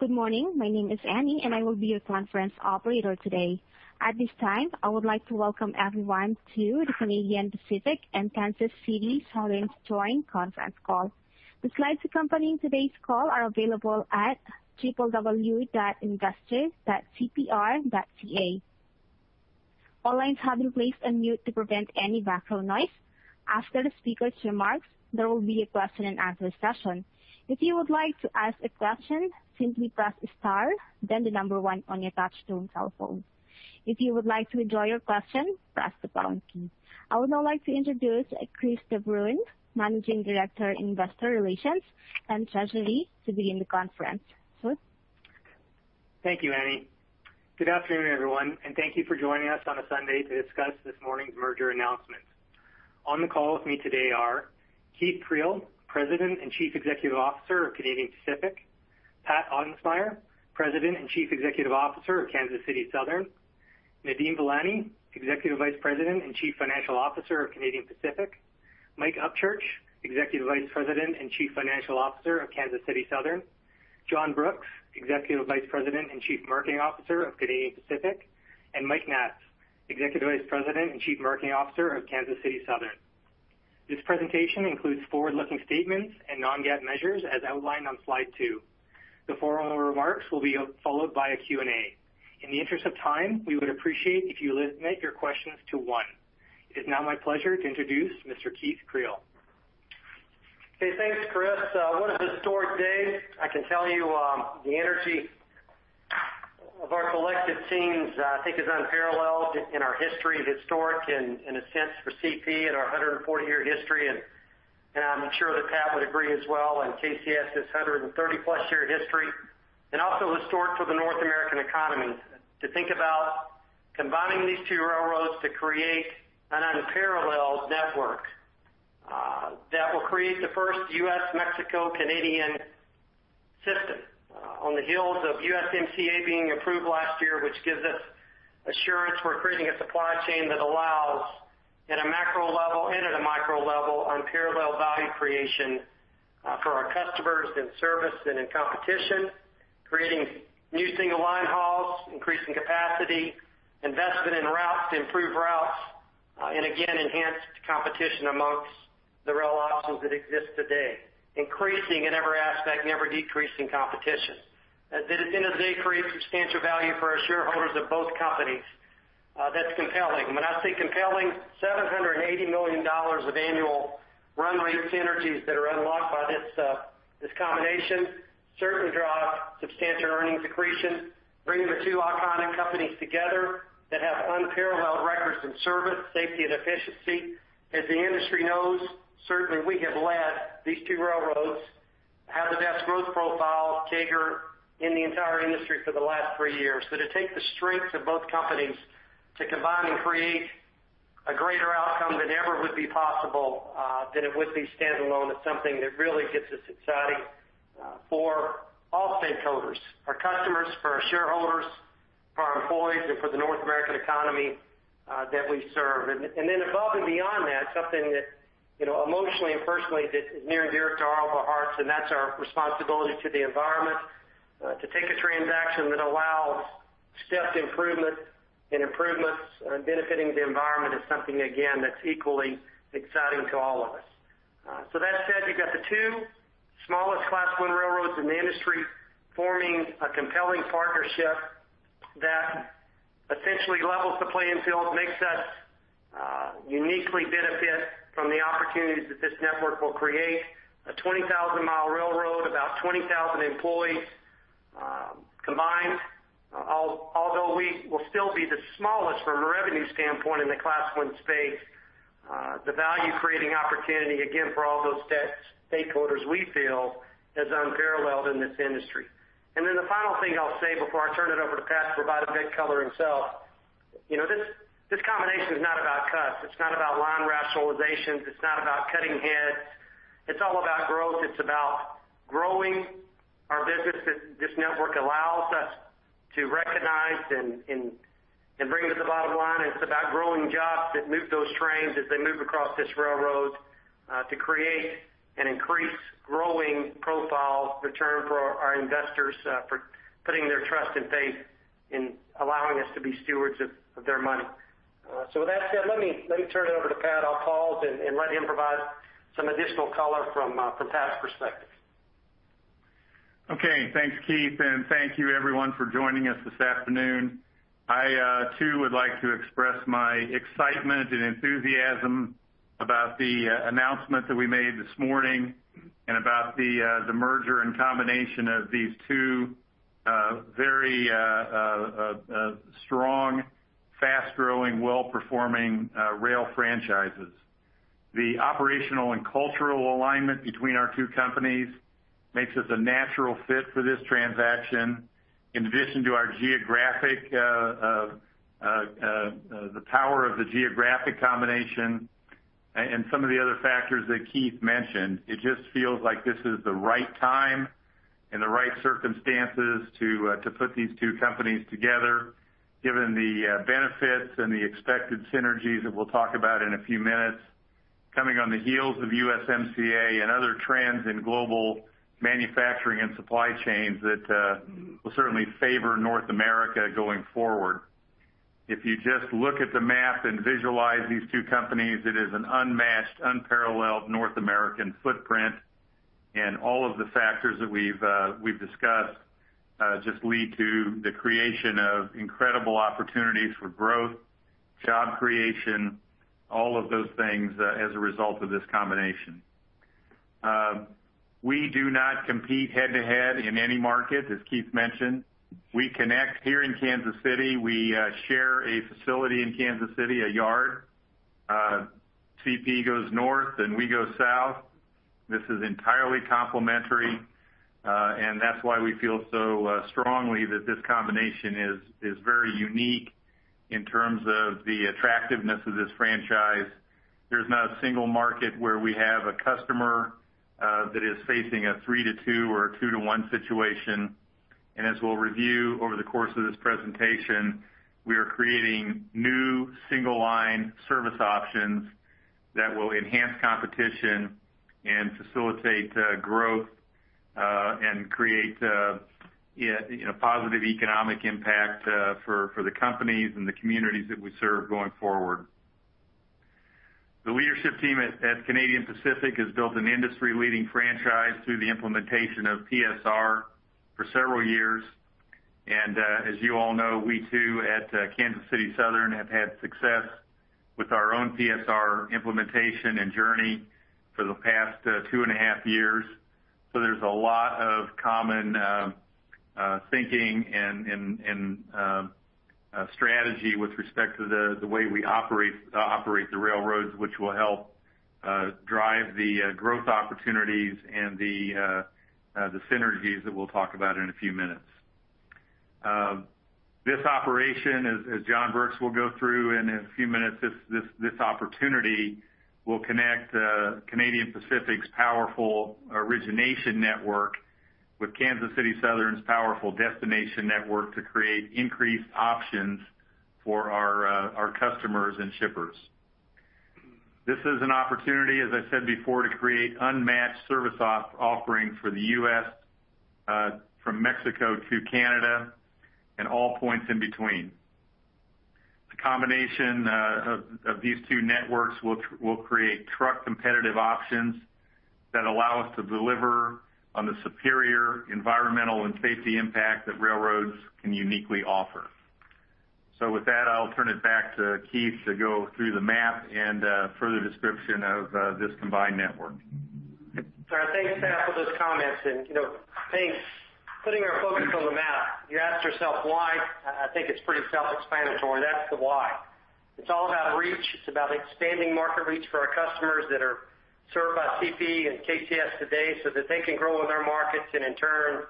Good morning. My name is Annie, and I will be your conference operator today. At this time, I would like to welcome everyone to the Canadian Pacific Kansas City joint conference call. The slides accompanying today's call are available at www.investor.cpr.ca. All lines have been placed on mute to prevent any background noise. After the speakers' remarks, there will be a question and answer session. If you would like to ask a question, simply press star then the number one on your touch-tone telephone. If you would like to withdraw your question, press the pound key. I would now like to introduce Chris de Bruyn, Managing Director, Investor Relations and Treasury, to begin the conference. Chris? Thank you, Annie. Good afternoon, everyone, and thank you for joining us on a Sunday to discuss this morning's merger announcement. On the call with me today are Keith Creel, President and Chief Executive Officer of Canadian Pacific, Pat Ottensmeyer, President and Chief Executive Officer of Kansas City Southern, Nadeem Velani, Executive Vice President and Chief Financial Officer of Canadian Pacific, Mike Upchurch, Executive Vice President and Chief Financial Officer of Kansas City Southern, John Brooks, Executive Vice President and Chief Marketing Officer of Canadian Pacific, and Mike Naatz, Executive Vice President and Chief Marketing Officer of Kansas City Southern. This presentation includes forward-looking statements and non-GAAP measures as outlined on slide two. The formal remarks will be followed by a Q&A. In the interest of time, we would appreciate if you limit your questions to one. It is now my pleasure to introduce Mr. Keith Creel. Okay, thanks, Chris. What a historic day. I can tell you, the energy of our collective teams, I think is unparalleled in our history. Historic in a sense for CP in our 140-year history, and I'm sure that Pat would agree as well on KCS, this 130-plus year history, and also historic for the North American economy to think about combining these two railroads to create an unparalleled network, that will create the first U.S.-Mexico-Canadian system on the heels of USMCA being approved last year, which gives us assurance we're creating a supply chain that allows, at a macro level and at a micro level, unparalleled value creation for our customers in service and in competition, creating new single line hauls, increasing capacity, investment in routes to improve routes, again, enhanced competition amongst the rail options that exist today. Increasing in every aspect, never decreasing competition. That at the end of the day, creates substantial value for our shareholders of both companies. That's compelling. When I say compelling, 780 million dollars of annual run rate synergies that are unlocked by this combination certainly drive substantial earnings accretion, bringing the two iconic companies together that have unparalleled records in service, safety, and efficiency. As the industry knows, certainly we have led these two railroads, have the best growth profile CAGR in the entire industry for the last three years. To take the strengths of both companies to combine and create a greater outcome than ever would be possible than it would be standalone, it's something that really gets us excited for all stakeholders, for our customers, for our shareholders, for our employees, and for the North American economy that we serve. Above and beyond that, something that emotionally and personally is near and dear to all of our hearts, and that's our responsibility to the environment. To take a transaction that allows stepped improvement and improvements benefiting the environment is something, again, that's equally exciting to all of us. That said, you've got the two smallest Class I railroads in the industry forming a compelling partnership that essentially levels the playing field, makes us uniquely benefit from the opportunities that this network will create. A 20,000-mile railroad, about 20,000 employees combined. Although we will still be the smallest from a revenue standpoint in the Class I space, the value-creating opportunity, again, for all those stakeholders, we feel, is unparalleled in this industry. The final thing I'll say before I turn it over to Pat to provide a bit of color himself, this combination is not about cuts. It's not about line rationalizations. It's not about cutting heads. It's all about growth. It's about growing our business that this network allows us to recognize and bring to the bottom line. It's about growing jobs that move those trains as they move across this railroad, to create an increased growing profile return for our investors for putting their trust and faith in allowing us to be stewards of their money. With that said, let me turn it over to Pat, I'll pause and let him provide some additional color from Pat's perspective. Okay. Thanks, Keith, and thank you everyone for joining us this afternoon. I, too, would like to express my excitement and enthusiasm about the announcement that we made this morning and about the merger and combination of these two very strong, fast-growing, well-performing rail franchises. The operational and cultural alignment between our two companies makes us a natural fit for this transaction. In addition to the power of the geographic combination and some of the other factors that Keith mentioned, it just feels like this is the right time. In the right circumstances to put these two companies together, given the benefits and the expected synergies that we'll talk about in a few minutes, coming on the heels of USMCA and other trends in global manufacturing and supply chains that will certainly favor North America going forward. If you just look at the map and visualize these two companies, it is an unmatched, unparalleled North American footprint. All of the factors that we've discussed just lead to the creation of incredible opportunities for growth, job creation, all of those things as a result of this combination. We do not compete head-to-head in any market, as Keith mentioned. We connect here in Kansas City. We share a facility in Kansas City, a yard. CP goes north, and we go south. This is entirely complementary, and that's why we feel so strongly that this combination is very unique in terms of the attractiveness of this franchise. There's not a single market where we have a customer that is facing a 3 to 2 or a 2 to 1 situation. As we'll review over the course of this presentation, we are creating new single-line service options that will enhance competition and facilitate growth, and create a positive economic impact for the companies and the communities that we serve going forward. The leadership team at Canadian Pacific has built an industry-leading franchise through the implementation of PSR for several years. As you all know, we too, at Kansas City Southern, have had success with our own PSR implementation and journey for the past 2 and a half years. There's a lot of common thinking and strategy with respect to the way we operate the railroads, which will help drive the growth opportunities and the synergies that we'll talk about in a few minutes. This operation, as John Brooks will go through in a few minutes, this opportunity will connect Canadian Pacific's powerful origination network with Kansas City Southern's powerful destination network to create increased options for our customers and shippers. This is an opportunity, as I said before, to create unmatched service offerings for the U.S., from Mexico to Canada, and all points in between. The combination of these two networks will create truck competitive options that allow us to deliver on the superior environmental and safety impact that railroads can uniquely offer. With that, I'll turn it back to Keith to go through the map and further description of this combined network. All right. Thanks, Seth, for those comments and putting our focus on the map. You asked yourself why. I think it's pretty self-explanatory, that's the why. It's all about reach. It's about expanding market reach for our customers that are served by CP and KCS today that they can grow in their markets, in turn,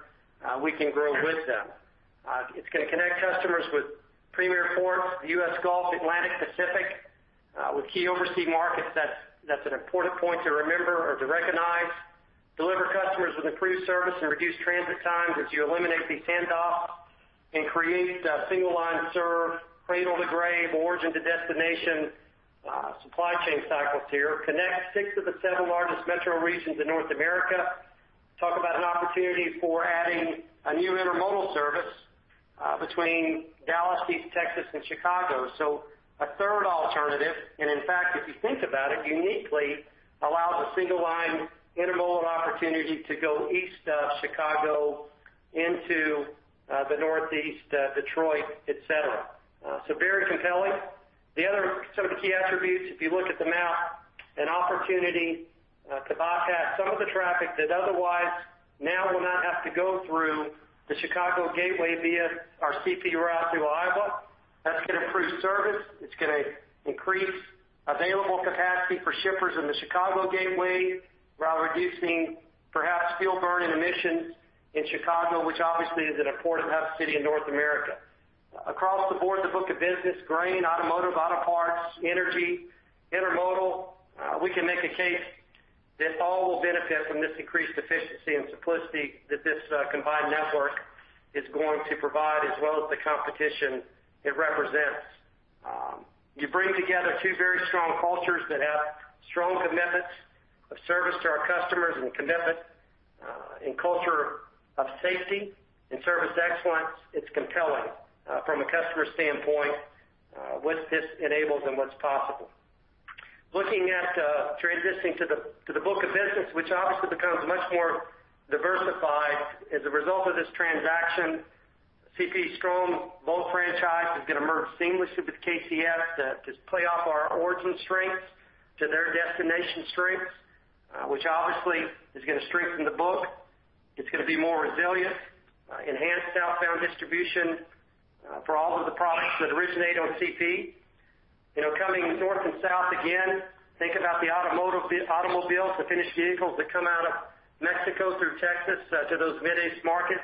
we can grow with them. It's going to connect customers with premier ports, the U.S. Gulf, Atlantic, Pacific, with key overseas markets. That's an important point to remember or to recognize. Deliver customers with improved service and reduced transit times as you eliminate these handoffs and create single line serve, cradle to grave, origin to destination supply chain cycles here. Connect six of the seven largest metro regions in North America. Talk about an opportunity for adding a new intermodal service between Dallas, East Texas, and Chicago. A third alternative, and in fact, if you think about it, uniquely allows a single-line intermodal opportunity to go east of Chicago into the Northeast, Detroit, et cetera. Very compelling. Some of the key attributes, if you look at the map, an opportunity to bypass some of the traffic that otherwise now will not have to go through the Chicago gateway via our CP route through Iowa. That's going to improve service. It's going to increase available capacity for shippers in the Chicago gateway while reducing perhaps fuel burn and emissions in Chicago, which obviously is an important hub city in North America. Across the board, the book of business, grain, automotive, auto parts, energy, intermodal, we can make a case that all will benefit from this increased efficiency and simplicity that this combined network is going to provide, as well as the competition it represents. You bring together two very strong cultures that have strong commitments of service to our customers and commitment in culture of safety and service excellence. It's compelling from a customer standpoint, what this enables and what's possible. Transitioning to the book of business, which obviously becomes much more diversified as a result of this transaction. CP's strong bulk franchise is going to merge seamlessly with KCS to play off our origin strengths to their destination strengths, which obviously is going to strengthen the book. It's going to be more resilient, enhance southbound distribution for all of the products that originate on CP. Coming north and south again, think about the automobiles, the finished vehicles that come out of Mexico through Texas to those Mid-East markets.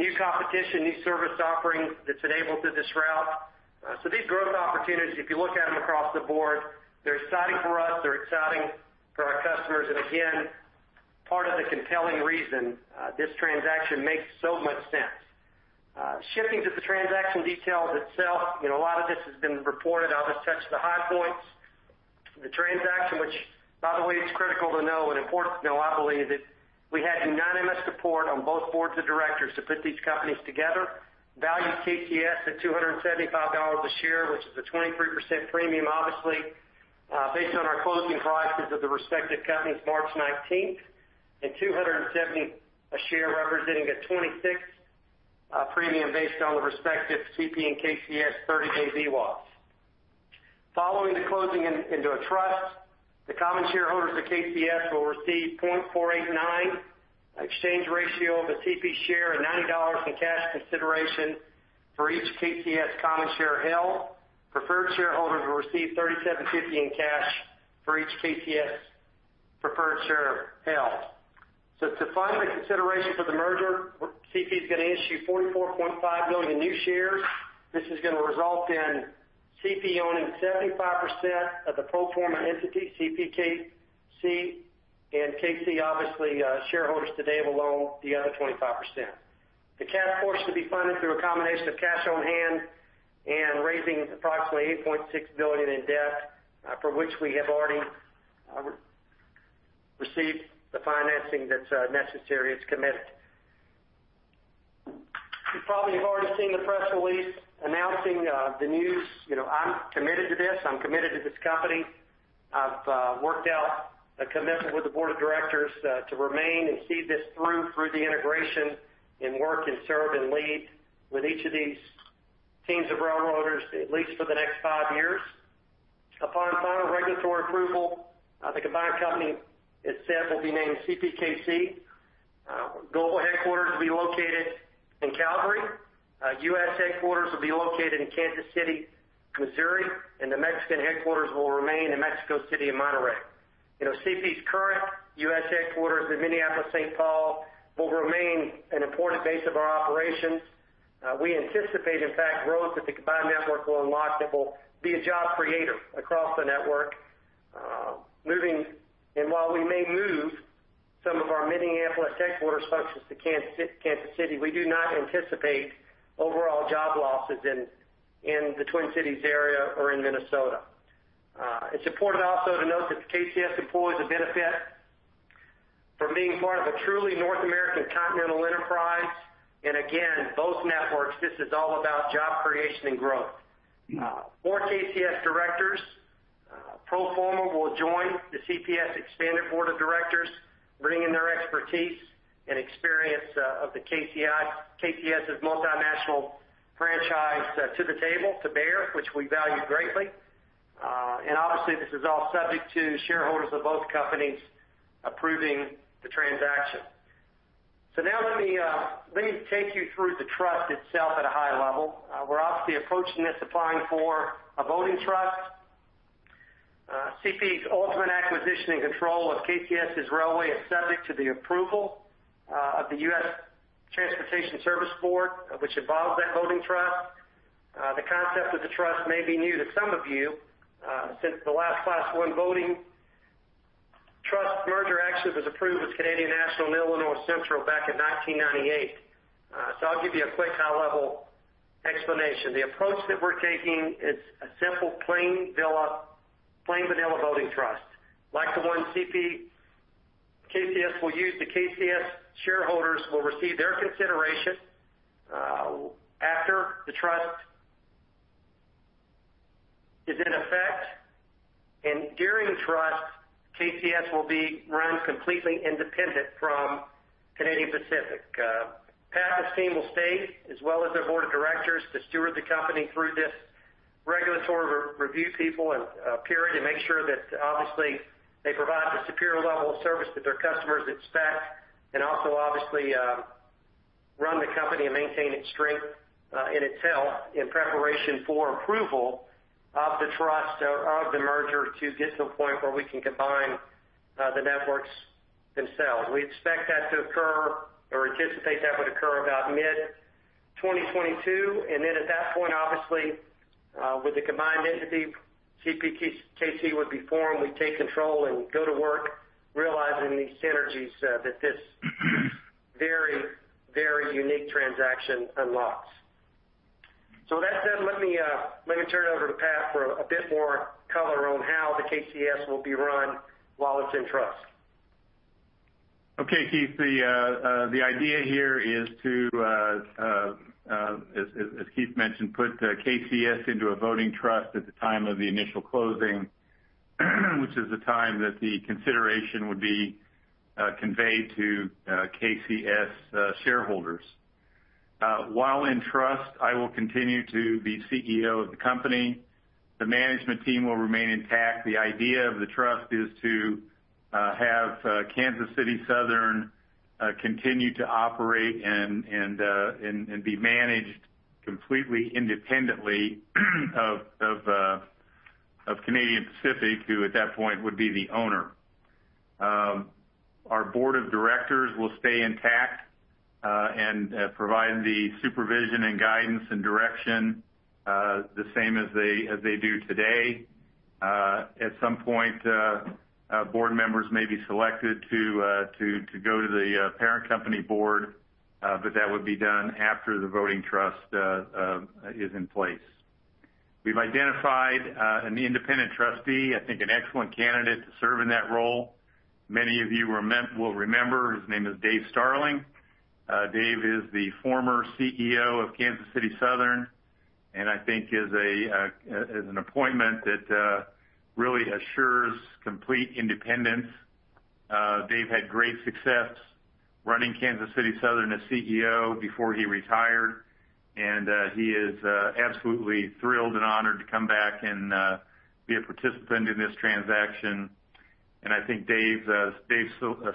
New competition, new service offerings that's enabled through this route. These growth opportunities, if you look at them across the board, they're exciting for us, they're exciting for our customers, and again, part of the compelling reason this transaction makes so much sense. Shifting to the transaction details itself, a lot of this has been reported. I'll just touch the high points. The transaction which, by the way, is critical to know and important to know, I believe, that we had unanimous support on both boards of directors to put these companies together. Valued KCS at 275 dollars a share, which is a 23% premium, obviously, based on our closing prices of the respective companies March 19th, and 270 a share, representing a 26% premium based on the respective CP and KCS 30-day VWAPs. Following the closing into a trust, the common shareholders of KCS will receive 0.489 exchange ratio of a CP share and 90 dollars in cash consideration for each KCS common share held. Preferred shareholders will receive 37.50 in cash for each KCS preferred share held. To fund the consideration for the merger, CP is going to issue 44.5 million new shares. This is going to result in CP owning 75% of the pro forma entity, CPKC, and KCS, obviously, shareholders today will own the other 25%. The cash, of course, will be funded through a combination of cash on hand and raising approximately 8.6 billion in debt, for which we have already received the financing that's necessary. It's committed. You probably have already seen the press release announcing the news. I'm committed to this. I'm committed to this company. I've worked out a commitment with the board of directors to remain and see this through the integration and work and serve and lead with each of these teams of railroaders, at least for the next five years. Upon final regulatory approval, the combined company, as said, will be named CPKC. Global headquarters will be located in Calgary. U.S. headquarters will be located in Kansas City, Missouri, and the Mexican headquarters will remain in Mexico City and Monterrey. CP's current U.S. headquarters in Minneapolis, St. Paul, will remain an important base of our operations. We anticipate, in fact, growth that the combined network will unlock that will be a job creator across the network. While we may move some of our Minneapolis headquarters functions to Kansas City, we do not anticipate overall job losses in the Twin Cities area or in Minnesota. It's important also to note that KCS employees will benefit from being part of a truly North American continental enterprise. Again, both networks, this is all about job creation and growth. Four KCS directors, pro forma, will join the CP expanded board of directors, bringing their expertise and experience of the KCS's multinational franchise to the table to bear, which we value greatly. Obviously, this is all subject to shareholders of both companies approving the transaction. Now let me take you through the trust itself at a high level. We're obviously approaching this applying for a voting trust. CP's ultimate acquisition and control of KCS's railway is subject to the approval of the Surface Transportation Board, which involves that voting trust. The concept of the trust may be new to some of you, since the last Class 1 voting trust merger actually was approved with Canadian National and Illinois Central back in 1998. I'll give you a quick high-level explanation. The approach that we're taking is a simple plain vanilla voting trust. Like the one KCS will use, the KCS shareholders will receive their consideration after the trust is in effect. During trust, KCS will be run completely independent from Canadian Pacific. Pat and his team will stay, as well as their board of directors, to steward the company through this regulatory review period and make sure that, obviously, they provide the superior level of service that their customers expect, and also obviously run the company and maintain its strength and itself in preparation for approval of the trust, of the merger to get to a point where we can combine the networks themselves. We expect that to occur or anticipate that would occur about mid-2022, at that point, obviously, with the combined entity, CPKC would be formed, we take control and go to work realizing these synergies that this very unique transaction unlocks. With that said, let me turn it over to Pat for a bit more color on how the KCS will be run while it's in trust. Okay, Keith. The idea here is to, as Keith mentioned, put KCS into a voting trust at the time of the initial closing, which is the time that the consideration would be conveyed to KCS shareholders. While in trust, I will continue to be CEO of the company. The management team will remain intact. The idea of the trust is to have Kansas City Southern continue to operate and be managed completely independently of Canadian Pacific, who at that point would be the owner. Our Board of Directors will stay intact and provide the supervision and guidance and direction the same as they do today. At some point, board members may be selected to go to the parent company board, but that would be done after the voting trust is in place. We've identified an independent trustee, I think an excellent candidate to serve in that role. Many of you will remember, his name is Dave Starling. Dave is the former CEO of Kansas City Southern, and I think is an appointment that really assures complete independence. Dave had great success running Kansas City Southern as CEO before he retired, and he is absolutely thrilled and honored to come back and be a participant in this transaction. I think Dave's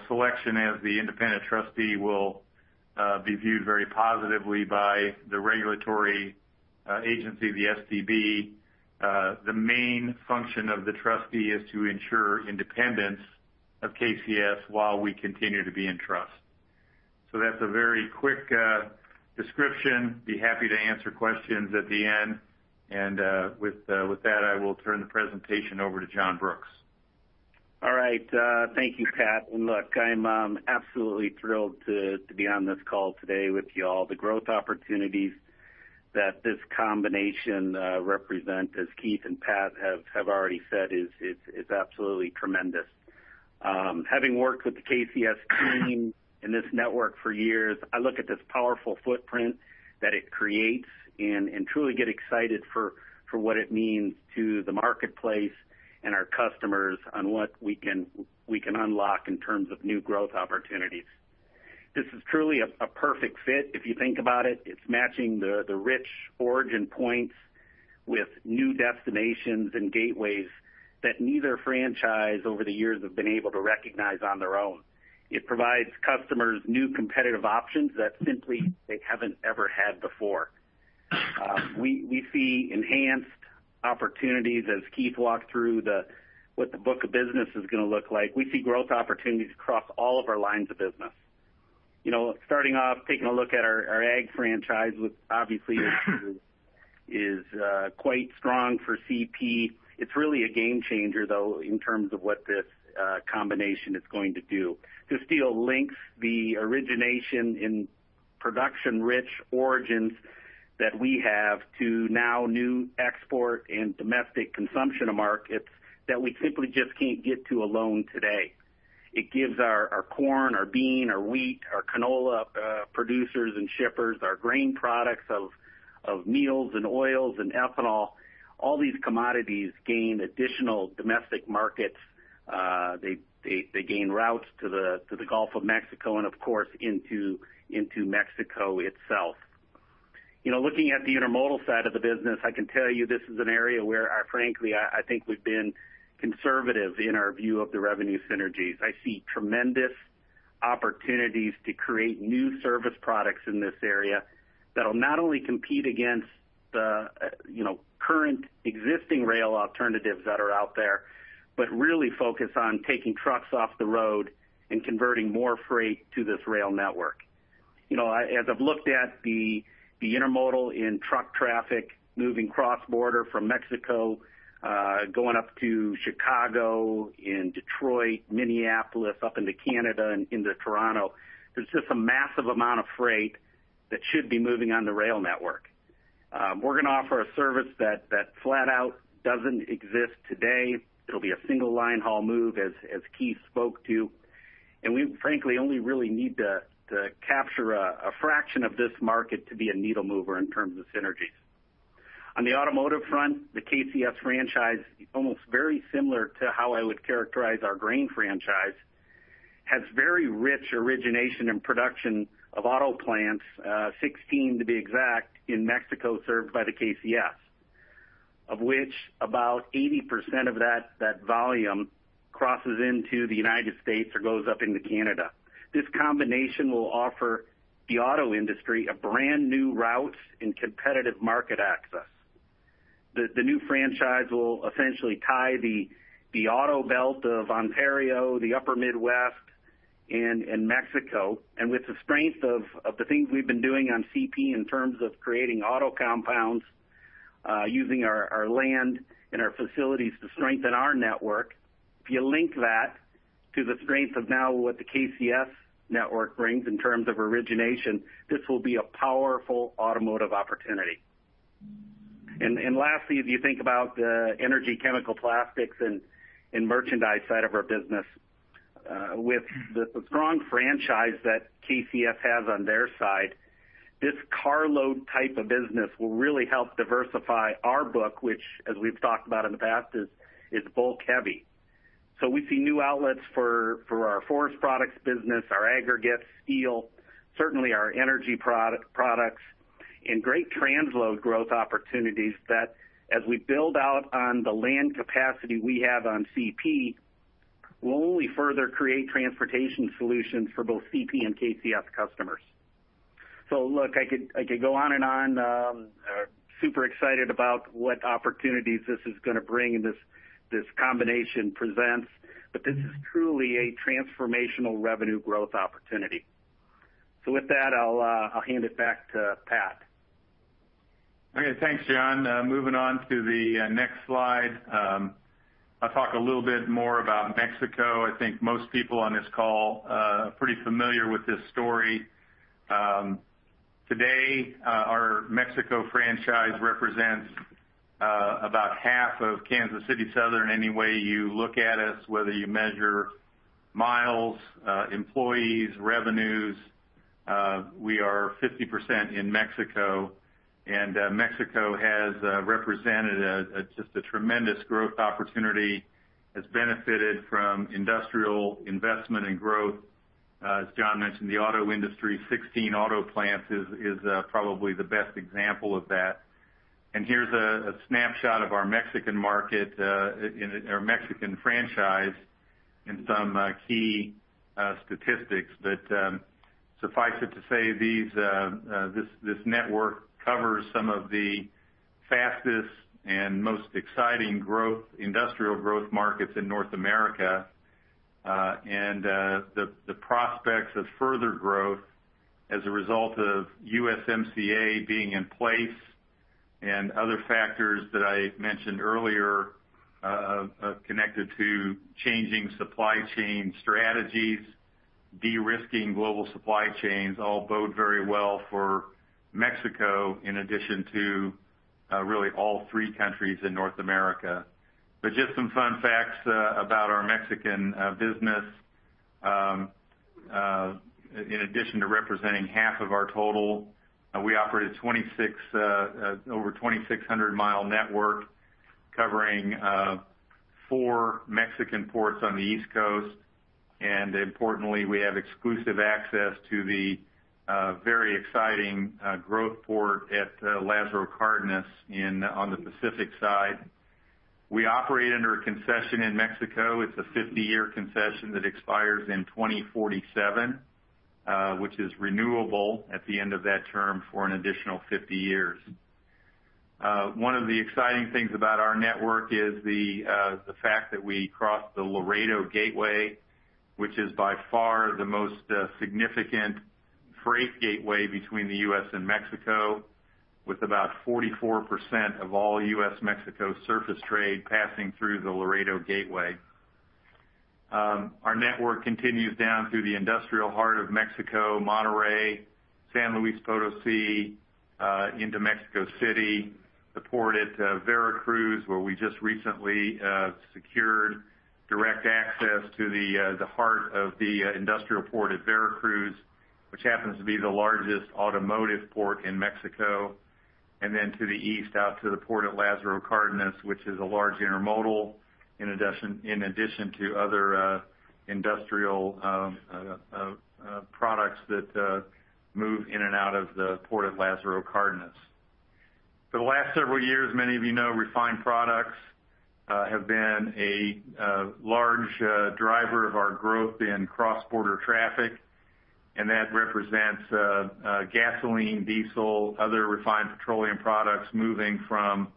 selection as the independent trustee will be viewed very positively by the regulatory agency, the STB. The main function of the trustee is to ensure independence of KCS while we continue to be in trust. That's a very quick description. Be happy to answer questions at the end. With that, I will turn the presentation over to John Brooks. All right. Thank you, Pat. Look, I'm absolutely thrilled to be on this call today with you all. The growth opportunities that this combination represent, as Keith and Pat have already said, is absolutely tremendous. Having worked with the KCS team in this network for years, I look at this powerful footprint that it creates and truly get excited for what it means to the marketplace and our customers on what we can unlock in terms of new growth opportunities. This is truly a perfect fit. If you think about it's matching the rich origin points with new destinations and gateways that neither franchise over the years have been able to recognize on their own. It provides customers new competitive options that simply they haven't ever had before. We see enhanced opportunities as Keith walked through what the book of business is going to look like. We see growth opportunities across all of our lines of business. Starting off, taking a look at our ag franchise, which obviously is quite strong for CP. It's really a game changer, though, in terms of what this combination is going to do. This deal links the origination in production-rich origins that we have to now new export and domestic consumption of markets that we simply just can't get to alone today. It gives our corn, our bean, our wheat, our canola producers and shippers, our grain products of meals and oils and ethanol, all these commodities gain additional domestic markets. They gain routes to the Gulf of Mexico and of course, into Mexico itself. Looking at the intermodal side of the business, I can tell you this is an area where, frankly, I think we've been conservative in our view of the revenue synergies. I see tremendous opportunities to create new service products in this area that'll not only compete against the current existing rail alternatives that are out there, but really focus on taking trucks off the road and converting more freight to this rail network. As I've looked at the intermodal in truck traffic moving cross-border from Mexico, going up to Chicago, in Detroit, Minneapolis, up into Canada and into Toronto, there's just a massive amount of freight that should be moving on the rail network. We're going to offer a service that flat out doesn't exist today. It'll be a single line haul move, as Keith spoke to. We frankly only really need to capture a fraction of this market to be a needle mover in terms of synergies. On the automotive front, the KCS franchise is almost very similar to how I would characterize our grain franchise. Has very rich origination and production of auto plants, 16 to be exact, in Mexico served by the KCS, of which about 80% of that volume crosses into the United States or goes up into Canada. This combination will offer the auto industry a brand new route and competitive market access. The new franchise will essentially tie the Auto Belt of Ontario, the upper Midwest, and Mexico, and with the strength of the things we've been doing on CP in terms of creating auto compounds, using our land and our facilities to strengthen our network. If you link that to the strength of now what the KCS network brings in terms of origination, this will be a powerful automotive opportunity. Lastly, if you think about the energy, chemical, plastics, and merchandise side of our business, with the strong franchise that KCS has on their side, this carload type of business will really help diversify our book, which, as we've talked about in the past, is bulk heavy. We see new outlets for our forest products business, our aggregate steel, certainly our energy products, and great transload growth opportunities that as we build out on the land capacity we have on CP, will only further create transportation solutions for both CP and KCS customers. Look, I could go on and on. Super excited about what opportunities this is going to bring and this combination presents, but this is truly a transformational revenue growth opportunity. With that, I'll hand it back to Pat. Okay. Thanks, John. Moving on to the next slide. I'll talk a little bit more about Mexico. I think most people on this call are pretty familiar with this story. Today, our Mexico franchise represents about half of Kansas City Southern any way you look at us, whether you measure miles, employees, revenues, we are 50% in Mexico. Mexico has represented just a tremendous growth opportunity, has benefited from industrial investment and growth. As John mentioned, the auto industry, 16 auto plants, is probably the best example of that. Here's a snapshot of our Mexican market, or Mexican franchise, and some key statistics. Suffice it to say, this network covers some of the fastest and most exciting industrial growth markets in North America. The prospects of further growth as a result of USMCA being in place and other factors that I mentioned earlier, connected to changing supply chain strategies, de-risking global supply chains, all bode very well for Mexico, in addition to really all three countries in North America. Just some fun facts about our Mexican business. In addition to representing half of our total, we operate over 2,600-mile network covering four Mexican ports on the East Coast. Importantly, we have exclusive access to the very exciting growth port at Lázaro Cárdenas on the Pacific side. We operate under a concession in Mexico. It's a 50-year concession that expires in 2047, which is renewable at the end of that term for an additional 50 years. One of the exciting things about our network is the fact that we cross the Laredo gateway, which is by far the most significant freight gateway between the U.S. and Mexico, with about 44% of all U.S.-Mexico surface trade passing through the Laredo gateway. Our network continues down through the industrial heart of Mexico, Monterrey, San Luis Potosí, into Mexico City, the port at Veracruz, where we just recently secured direct access to the heart of the industrial port of Veracruz, which happens to be the largest automotive port in Mexico. To the east, out to the port at Lázaro Cárdenas, which is a large intermodal, in addition to other industrial products that move in and out of the port of Lázaro Cárdenas. For the last several years, many of you know refined products have been a large driver of our growth in cross-border traffic, and that represents gasoline, diesel, other refined petroleum products moving from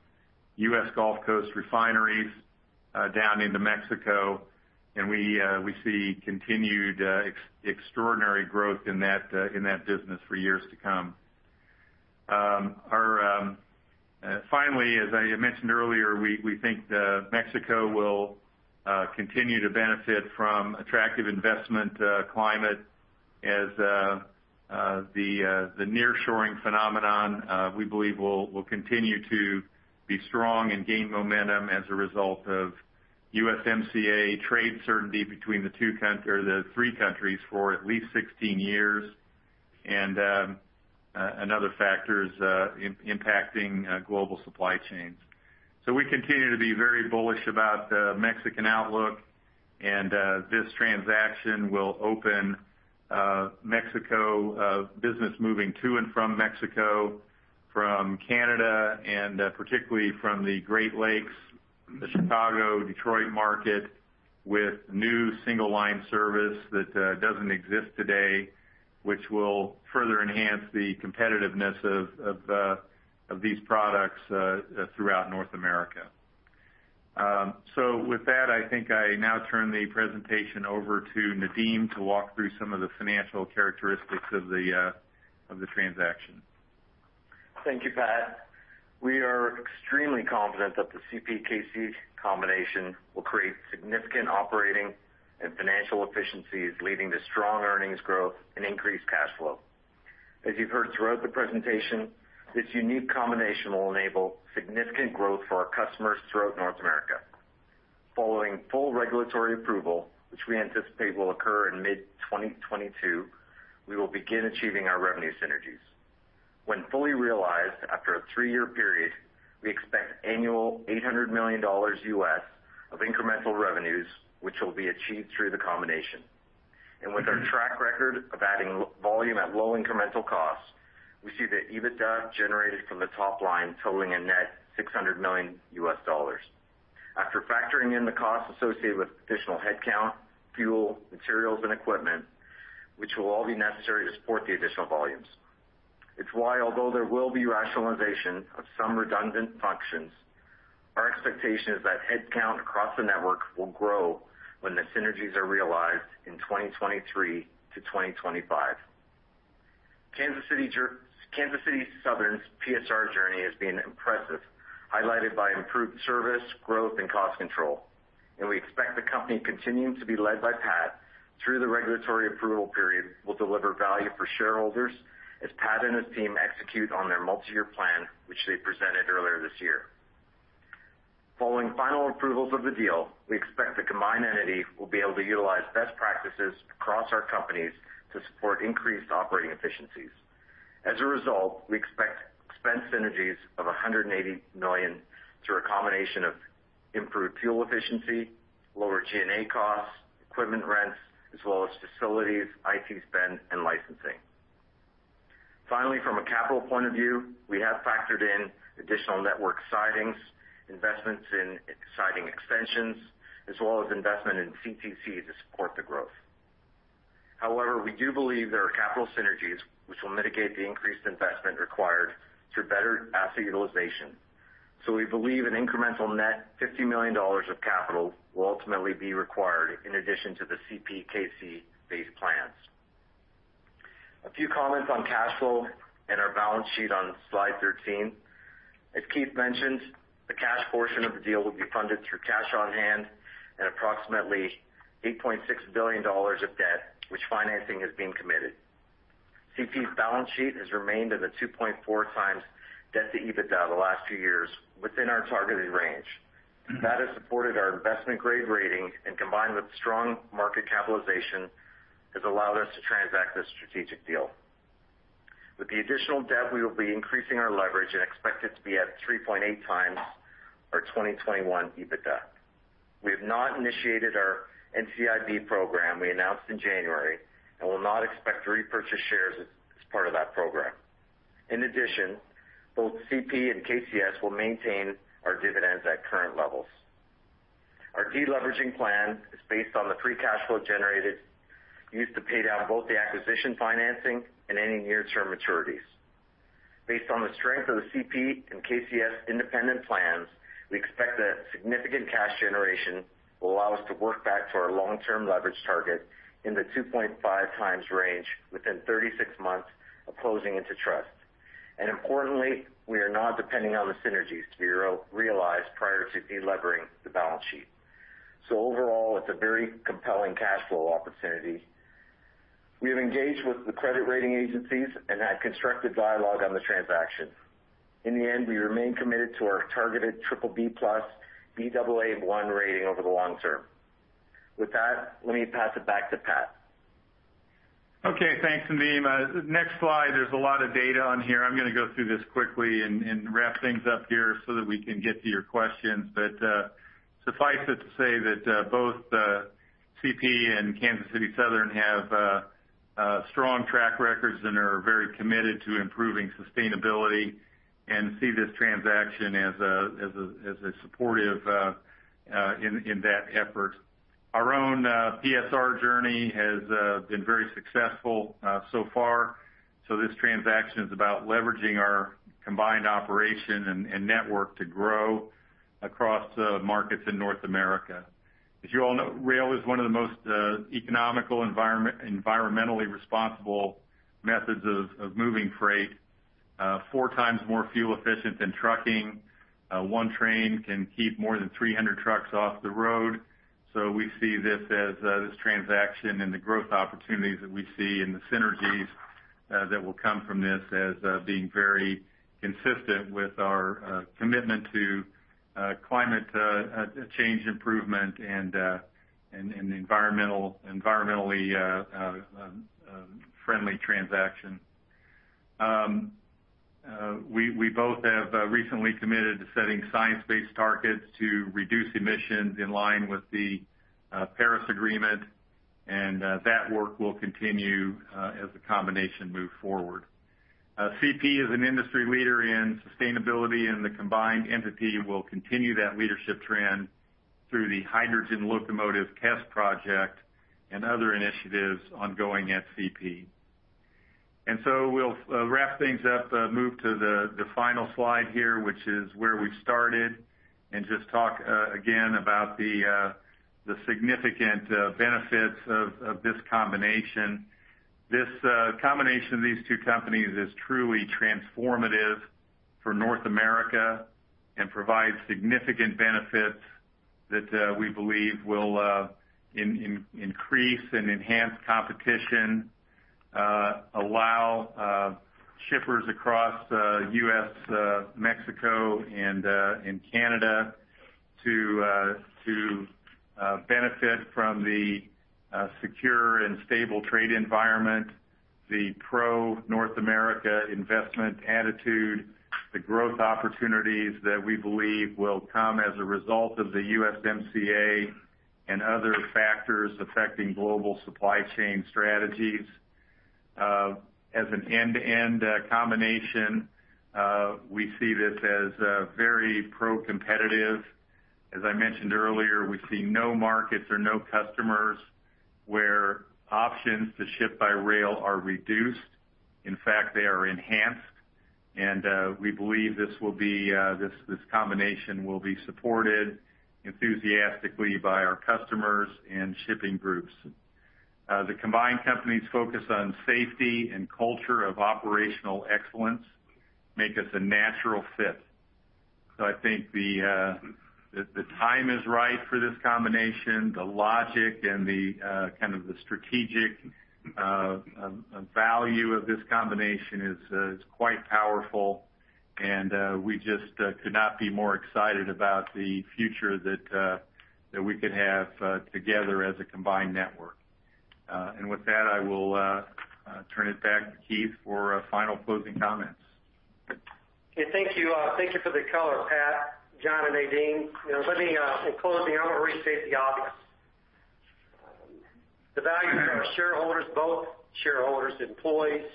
U.S. Gulf Coast refineries down into Mexico, and we see continued extraordinary growth in that business for years to come. Finally, as I mentioned earlier, we think Mexico will continue to benefit from attractive investment climate as the nearshoring phenomenon, we believe, will continue to be strong and gain momentum as a result of USMCA trade certainty between the three countries for at least 16 years and other factors impacting global supply chains. We continue to be very bullish about the Mexican outlook, and this transaction will open business moving to and from Mexico, from Canada, and particularly from the Great Lakes, the Chicago, Detroit market, with new single line service that doesn't exist today, which will further enhance the competitiveness of these products throughout North America. With that, I think I now turn the presentation over to Nadeem to walk through some of the financial characteristics of the transaction. Thank you, Pat. We are extremely confident that the CPKC combination will create significant operating and financial efficiencies, leading to strong earnings growth and increased cash flow. As you've heard throughout the presentation, this unique combination will enable significant growth for our customers throughout North America. Following full regulatory approval, which we anticipate will occur in mid-2022, we will begin achieving our revenue synergies. When fully realized after a three-year period, we expect annual $800 million of incremental revenues, which will be achieved through the combination. With our track record of adding volume at low incremental costs, we see the EBITDA generated from the top line totaling a net $600 million. After factoring in the costs associated with additional headcount, fuel, materials, and equipment, which will all be necessary to support the additional volumes. It's why although there will be rationalization of some redundant functions, our expectation is that headcount across the network will grow when the synergies are realized in 2023-2025. Kansas City Southern's PSR journey has been impressive, highlighted by improved service, growth, and cost control, and we expect the company continuing to be led by Pat through the regulatory approval period will deliver value for shareholders as Pat and his team execute on their multi-year plan, which they presented earlier this year. Following final approvals of the deal, we expect the combined entity will be able to utilize best practices across our companies to support increased operating efficiencies. As a result, we expect expense synergies of 180 million through a combination of improved fuel efficiency, lower G&A costs, equipment rents, as well as facilities, IT spend, and licensing. Finally, from a capital point of view, we have factored in additional network sidings, investments in siding extensions, as well as investment in CTC to support the growth. However, we do believe there are capital synergies which will mitigate the increased investment required through better asset utilization. We believe an incremental net 50 million dollars of capital will ultimately be required in addition to the CPKC base plans. A few comments on cash flow and our balance sheet on slide 13. As Keith mentioned, the cash portion of the deal will be funded through cash on hand and approximately 8.6 billion dollars of debt, which financing has been committed. CP's balance sheet has remained at a 2.4 times debt to EBITDA the last two years within our targeted range. That has supported our investment-grade rating and combined with strong market capitalization, has allowed us to transact this strategic deal. With the additional debt, we will be increasing our leverage and expect it to be at 3.8 times our 2021 EBITDA. We have not initiated our NCIB program we announced in January and will not expect to repurchase shares as part of that program. In addition, both CP and KCS will maintain our dividends at current levels. Our de-leveraging plan is based on the free cash flow generated, used to pay down both the acquisition financing and any near-term maturities. Based on the strength of the CP and KCS independent plans, we expect that significant cash generation will allow us to work back to our long-term leverage target in the 2.5 times range within 36 months of closing into trust. Importantly, we are not depending on the synergies to be realized prior to de-leveraging the balance sheet. Overall, it's a very compelling cash flow opportunity. We have engaged with the credit rating agencies and had constructive dialogue on the transaction. In the end, we remain committed to our targeted BBB+, Baa1 rating over the long term. With that, let me pass it back to Pat. Okay. Thanks, Nadeem. Next slide. There's a lot of data on here. I'm going to go through this quickly and wrap things up here so that we can get to your questions. Suffice it to say that both CP and Kansas City Southern have strong track records and are very committed to improving sustainability and see this transaction as supportive in that effort. Our own PSR journey has been very successful so far. This transaction is about leveraging our combined operation and network to grow across markets in North America. As you all know, rail is one of the most economical, environmentally responsible methods of moving freight, four times more fuel efficient than trucking. One train can keep more than 300 trucks off the road. We see this transaction and the growth opportunities that we see and the synergies that will come from this as being very consistent with our commitment to climate change improvement and environmentally friendly transaction. We both have recently committed to setting science-based targets to reduce emissions in line with the Paris Agreement, and that work will continue as the combination moves forward. CP is an industry leader in sustainability, and the combined entity will continue that leadership trend through the hydrogen locomotive test project and other initiatives ongoing at CP. We'll wrap things up, move to the final slide here, which is where we started, and just talk again about the significant benefits of this combination. This combination of these two companies is truly transformative for North America and provides significant benefits that we believe will increase and enhance competition, allow shippers across U.S., Mexico, and Canada to benefit from the secure and stable trade environment, the pro-North America investment attitude, the growth opportunities that we believe will come as a result of the USMCA and other factors affecting global supply chain strategies. As an end-to-end combination, we see this as very pro-competitive. As I mentioned earlier, we see no markets or no customers where options to ship by rail are reduced. In fact, they are enhanced. We believe this combination will be supported enthusiastically by our customers and shipping groups. The combined companies focus on safety and culture of operational excellence make us a natural fit. I think the time is right for this combination. The logic and the strategic value of this combination is quite powerful, and we just could not be more excited about the future that we could have together as a combined network. With that, I will turn it back to Keith for final closing comments. Okay. Thank you. Thank you for the color, Pat Ottensmeyer, John Brooks, and Nadeem Velani. In closing, I want to restate the obvious. The value to our shareholders, both shareholders, employees,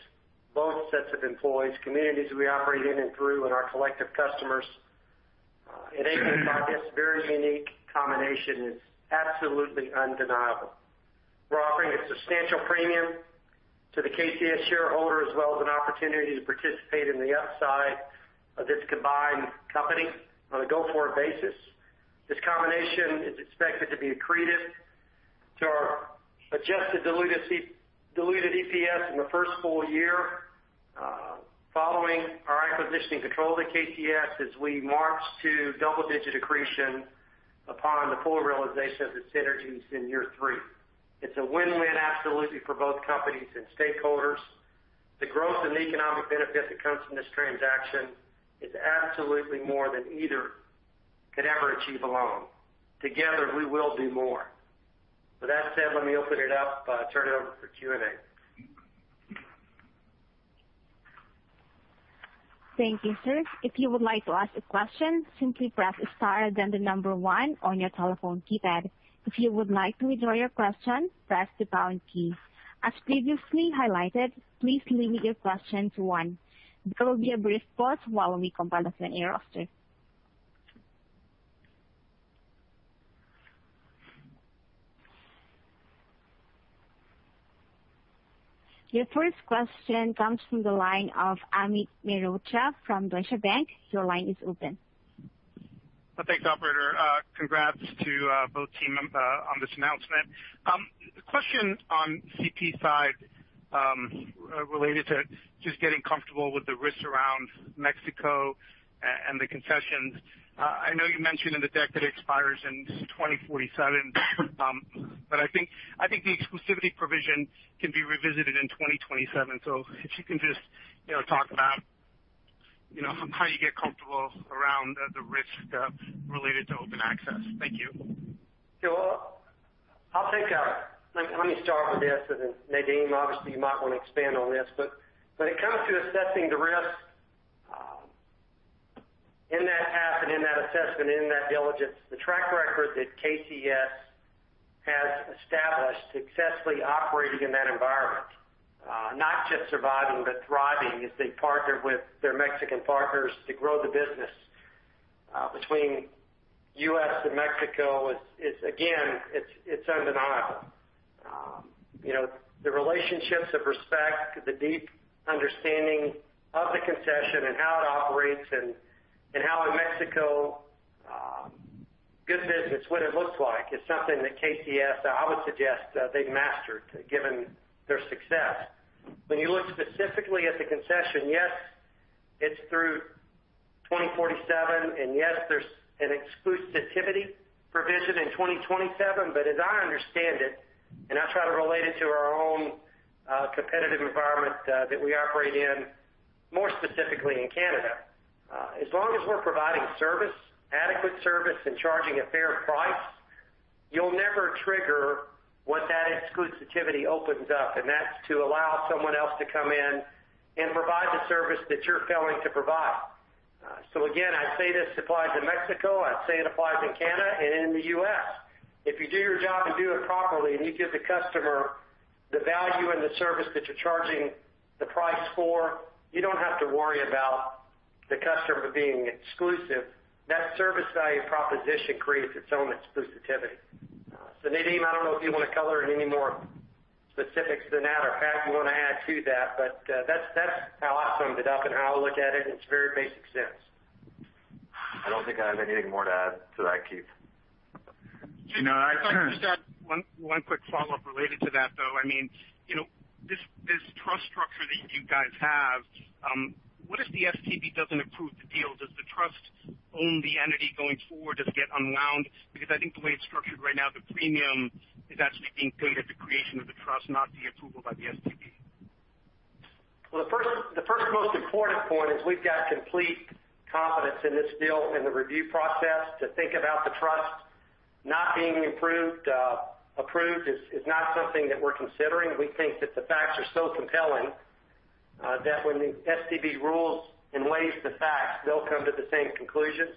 both sets of employees, communities we operate in and through, and our collective customers. It is, in fact, this very unique combination is absolutely undeniable. We are offering a substantial premium to the KCS shareholder, as well as an opportunity to participate in the upside of this combined company on a go-forward basis. This combination is expected to be accretive to our adjusted diluted EPS in the first full year following our acquisition control of the KCS, as we march to double-digit accretion upon the full realization of the synergies in year three. It is a win-win absolutely for both companies and stakeholders. The growth and economic benefit that comes from this transaction is absolutely more than either could ever achieve alone. Together, we will do more. With that said, let me open it up, turn it over for Q&A. Thank you, sir. If you would like to ask a question, simply press star, then the number 1 on your telephone keypad. If you would like to withdraw your question, press the pound key. As previously highlighted, please limit your question to one. There will be a brief pause while we compile the phone queue roster. Your first question comes from the line of Amit Mehrotra from Deutsche Bank. Your line is open. Thanks, operator. Congrats to both teams on this announcement. Question on CP side, related to just getting comfortable with the risks around Mexico and the concessions. I know you mentioned in the deck that it expires in 2047, but I think the exclusivity provision can be revisited in 2027. If you can just talk about how you get comfortable around the risk related to open access. Thank you. Let me start with this. Then Nadeem, obviously, you might want to expand on this, but when it comes to assessing the risk in that path and in that assessment, in that diligence, the track record that KCS has established successfully operating in that environment, not just surviving, but thriving as they partner with their Mexican partners to grow the business between U.S. and Mexico, again, it's undeniable. The relationships of respect, the deep understanding of the concession and how it operates and how in Mexico, good business, what it looks like, is something that KCS, I would suggest they've mastered, given their success. When you look specifically at the concession, yes, it's through 2047. Yes, there's an exclusivity provision in 2027. As I understand it, and I try to relate it to our own competitive environment that we operate in, more specifically in Canada, as long as we're providing service, adequate service, and charging a fair price, you'll never trigger what that exclusivity opens up, and that's to allow someone else to come in and provide the service that you're failing to provide. Again, I say this applies in Mexico, I'd say it applies in Canada and in the U.S. If you do your job and do it properly, and you give the customer the value and the service that you're charging the price for, you don't have to worry about the customer being exclusive. That service value proposition creates its own exclusivity. Nadeem, I don't know if you want to color in any more specifics than that, or Pat, you want to add to that. That's how I summed it up and how I look at it in its very basic sense. I don't think I have anything more to add to that, Keith. Just one quick follow-up related to that, though. This trust structure that you guys have, what if the STB doesn't approve the deal? Does the trust own the entity going forward? Does it get unwound? I think the way it's structured right now, the premium is actually being paid at the creation of the trust, not the approval by the STB. Well, the first most important point is we've got complete confidence in this deal, in the review process. To think about the trust not being approved is not something that we're considering. We think that the facts are so compelling that when the STB rules and weighs the facts, they'll come to the same conclusions.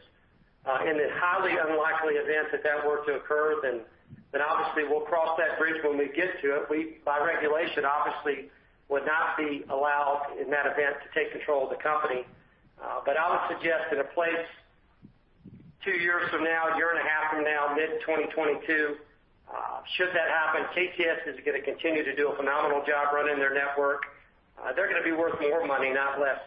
Obviously we'll cross that bridge when we get to it. We, by regulation, obviously would not be allowed in that event to take control of the company. I would suggest in a place two years from now, a year and a half from now, mid-2022, should that happen, KCS is going to continue to do a phenomenal job running their network. They're going to be worth more money, not less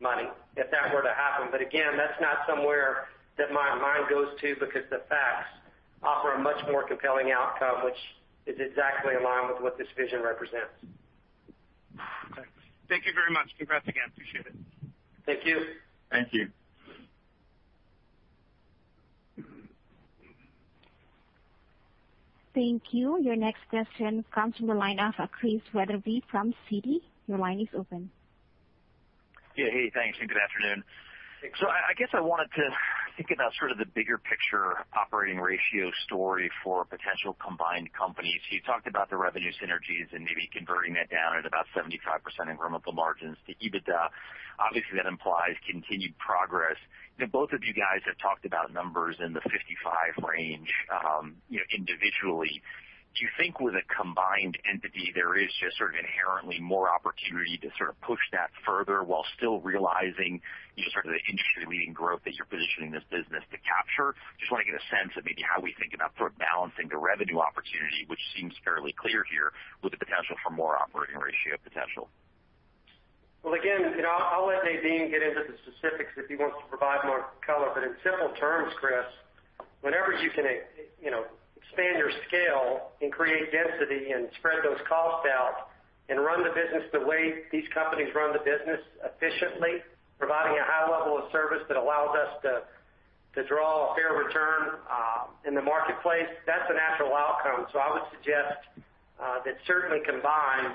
money, if that were to happen. Again, that's not somewhere that my mind goes to because the facts offer a much more compelling outcome, which is exactly in line with what this vision represents. Okay. Thank you very much. Congrats again. Appreciate it. Thank you. Thank you. Thank you. Your next question comes from the line of Chris Wetherbee from Citi. Your line is open. Yeah, hey, thanks and good afternoon. Thanks. I guess I wanted to think about sort of the bigger picture operating ratio story for potential combined companies. You talked about the revenue synergies and maybe converting that down at about 75% incremental margins to EBITDA. That implies continued progress. Both of you guys have talked about numbers in the 55 range individually. Do you think with a combined entity, there is just sort of inherently more opportunity to sort of push that further while still realizing sort of the industry-leading growth that you're positioning this business to capture? I just want to get a sense of maybe how we think about sort of balancing the revenue opportunity, which seems fairly clear here, with the potential for more operating ratio potential. Well, again, I'll let Nadeem get into the specifics if he wants to provide more color. In simple terms, Chris, whenever you can expand your scale and create density and spread those costs out and run the business the way these companies run the business efficiently, providing a high level of service that allows us to draw a fair return in the marketplace, that's a natural outcome. I would suggest that certainly combined,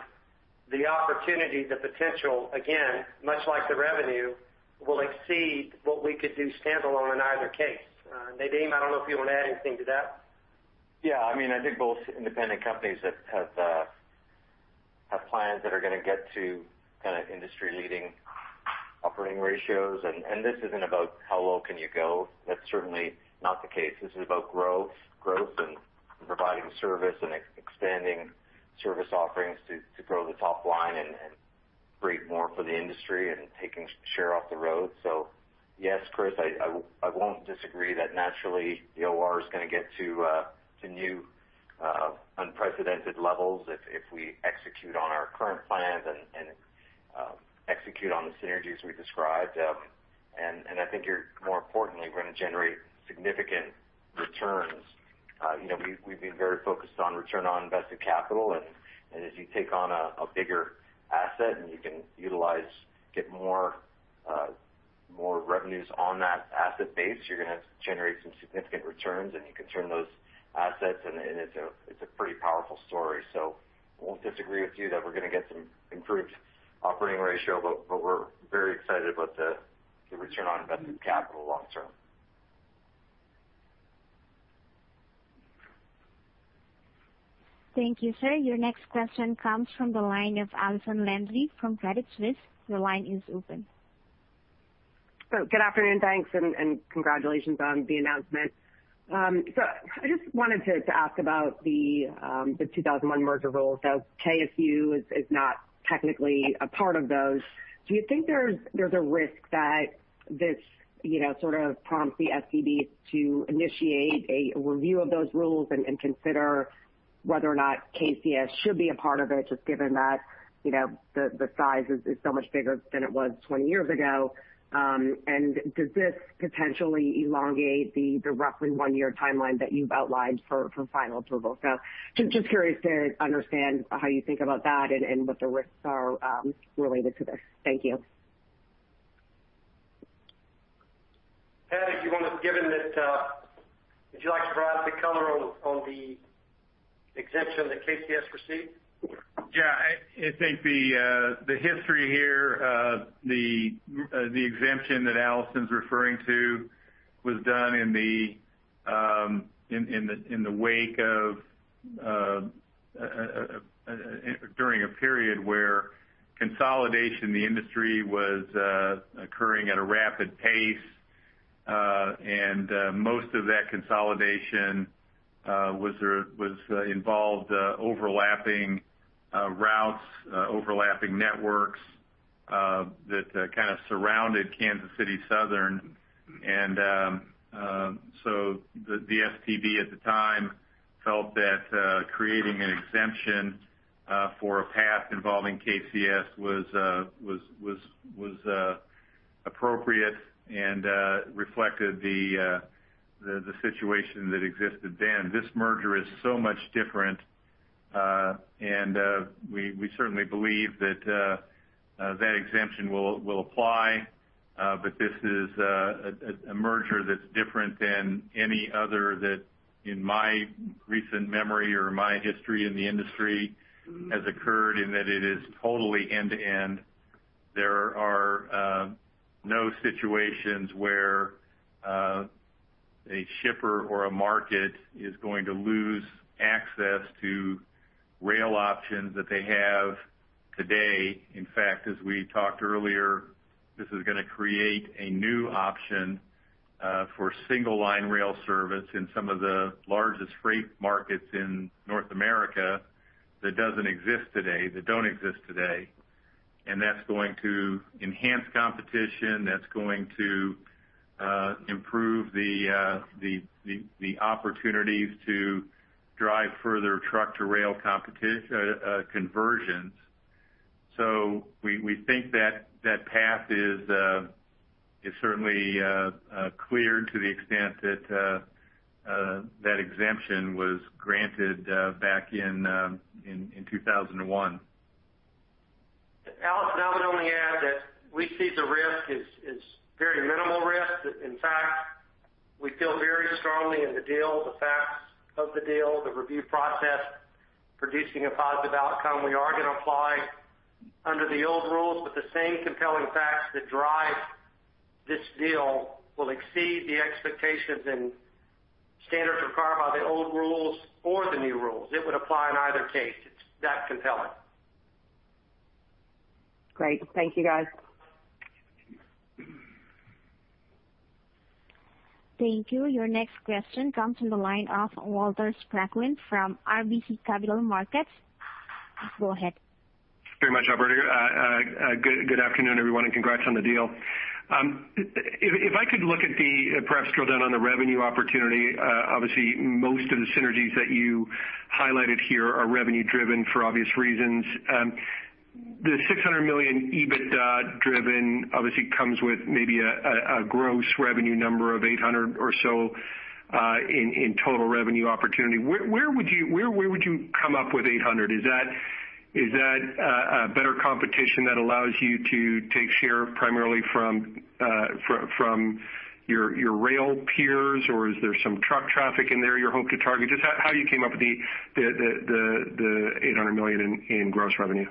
the opportunity, the potential, again, much like the revenue, will exceed what we could do standalone in either case. Nadeem, I don't know if you want to add anything to that. Yeah, I think both independent companies have plans that are going to get to kind of industry-leading operating ratios. This isn't about how low can you go. That's certainly not the case. This is about growth and providing service and expanding service offerings to grow the top line and create more for the industry and taking share off the road. Yes, Chris, I won't disagree that naturally the OR is going to get to new unprecedented levels if we execute on our current plans and execute on the synergies we described. I think more importantly, we're going to generate significant returns. We've been very focused on return on invested capital, and as you take on a bigger asset and you can utilize, get more revenues on that asset base, you're going to generate some significant returns and you can turn those assets and it's a pretty powerful story. I won't disagree with you that we're going to get some improved operating ratio, but we're very excited about the return on invested capital long term. Thank you, sir. Your next question comes from the line of Allison Landry from Credit Suisse. Your line is open. Good afternoon, thanks, and congratulations on the announcement. I just wanted to ask about the 2001 merger rule. KCS is not technically a part of those. Do you think there's a risk that this sort of prompts the STB to initiate a review of those rules and consider whether or not KCS should be a part of it, just given that the size is so much bigger than it was 20 years ago? Does this potentially elongate the roughly one-year timeline that you've outlined for final approval? Just curious to understand how you think about that and what the risks are related to this. Thank you. Pat, if you want to, given that, would you like to provide the color on the exemption that KCS received? Yeah, I think the history here of the exemption that Allison's referring to was done during a period where consolidation in the industry was occurring at a rapid pace. Most of that consolidation involved overlapping routes, overlapping networks, that kind of surrounded Kansas City Southern. The STB at the time felt that creating an exemption for a path involving KCS was appropriate and reflected the situation that existed then. This merger is so much different. We certainly believe that that exemption will apply. This is a merger that's different than any other that in my recent memory or my history in the industry has occurred in that it is totally end-to-end. There are There are no situations where a shipper or a market is going to lose access to rail options that they have today. In fact, as we talked earlier, this is going to create a new option for single line rail service in some of the largest freight markets in North America that don't exist today. That's going to enhance competition, that's going to improve the opportunities to drive further truck to rail conversions. We think that path is certainly cleared to the extent that exemption was granted back in 2001. Allison, I would only add that we see the risk is very minimal risk. In fact, we feel very strongly in the deal, the facts of the deal, the review process, producing a positive outcome. We are going to apply under the old rules, but the same compelling facts that drive this deal will exceed the expectations and standards required by the old rules or the new rules. It would apply in either case. It's that compelling. Great. Thank you, guys. Thank you. Your next question comes from the line of Walter Spracklin from RBC Capital Markets. Go ahead. Very much, Alberta. Good afternoon, everyone, congrats on the deal. If I could perhaps drill down on the revenue opportunity, obviously most of the synergies that you highlighted here are revenue driven for obvious reasons. The 600 million EBITDA driven obviously comes with maybe a gross revenue number of 800 or so in total revenue opportunity. Where would you come up with 800? Is that a better competition that allows you to take share primarily from your rail peers, or is there some truck traffic in there you hope to target? Just how you came up with the 800 million in gross revenue.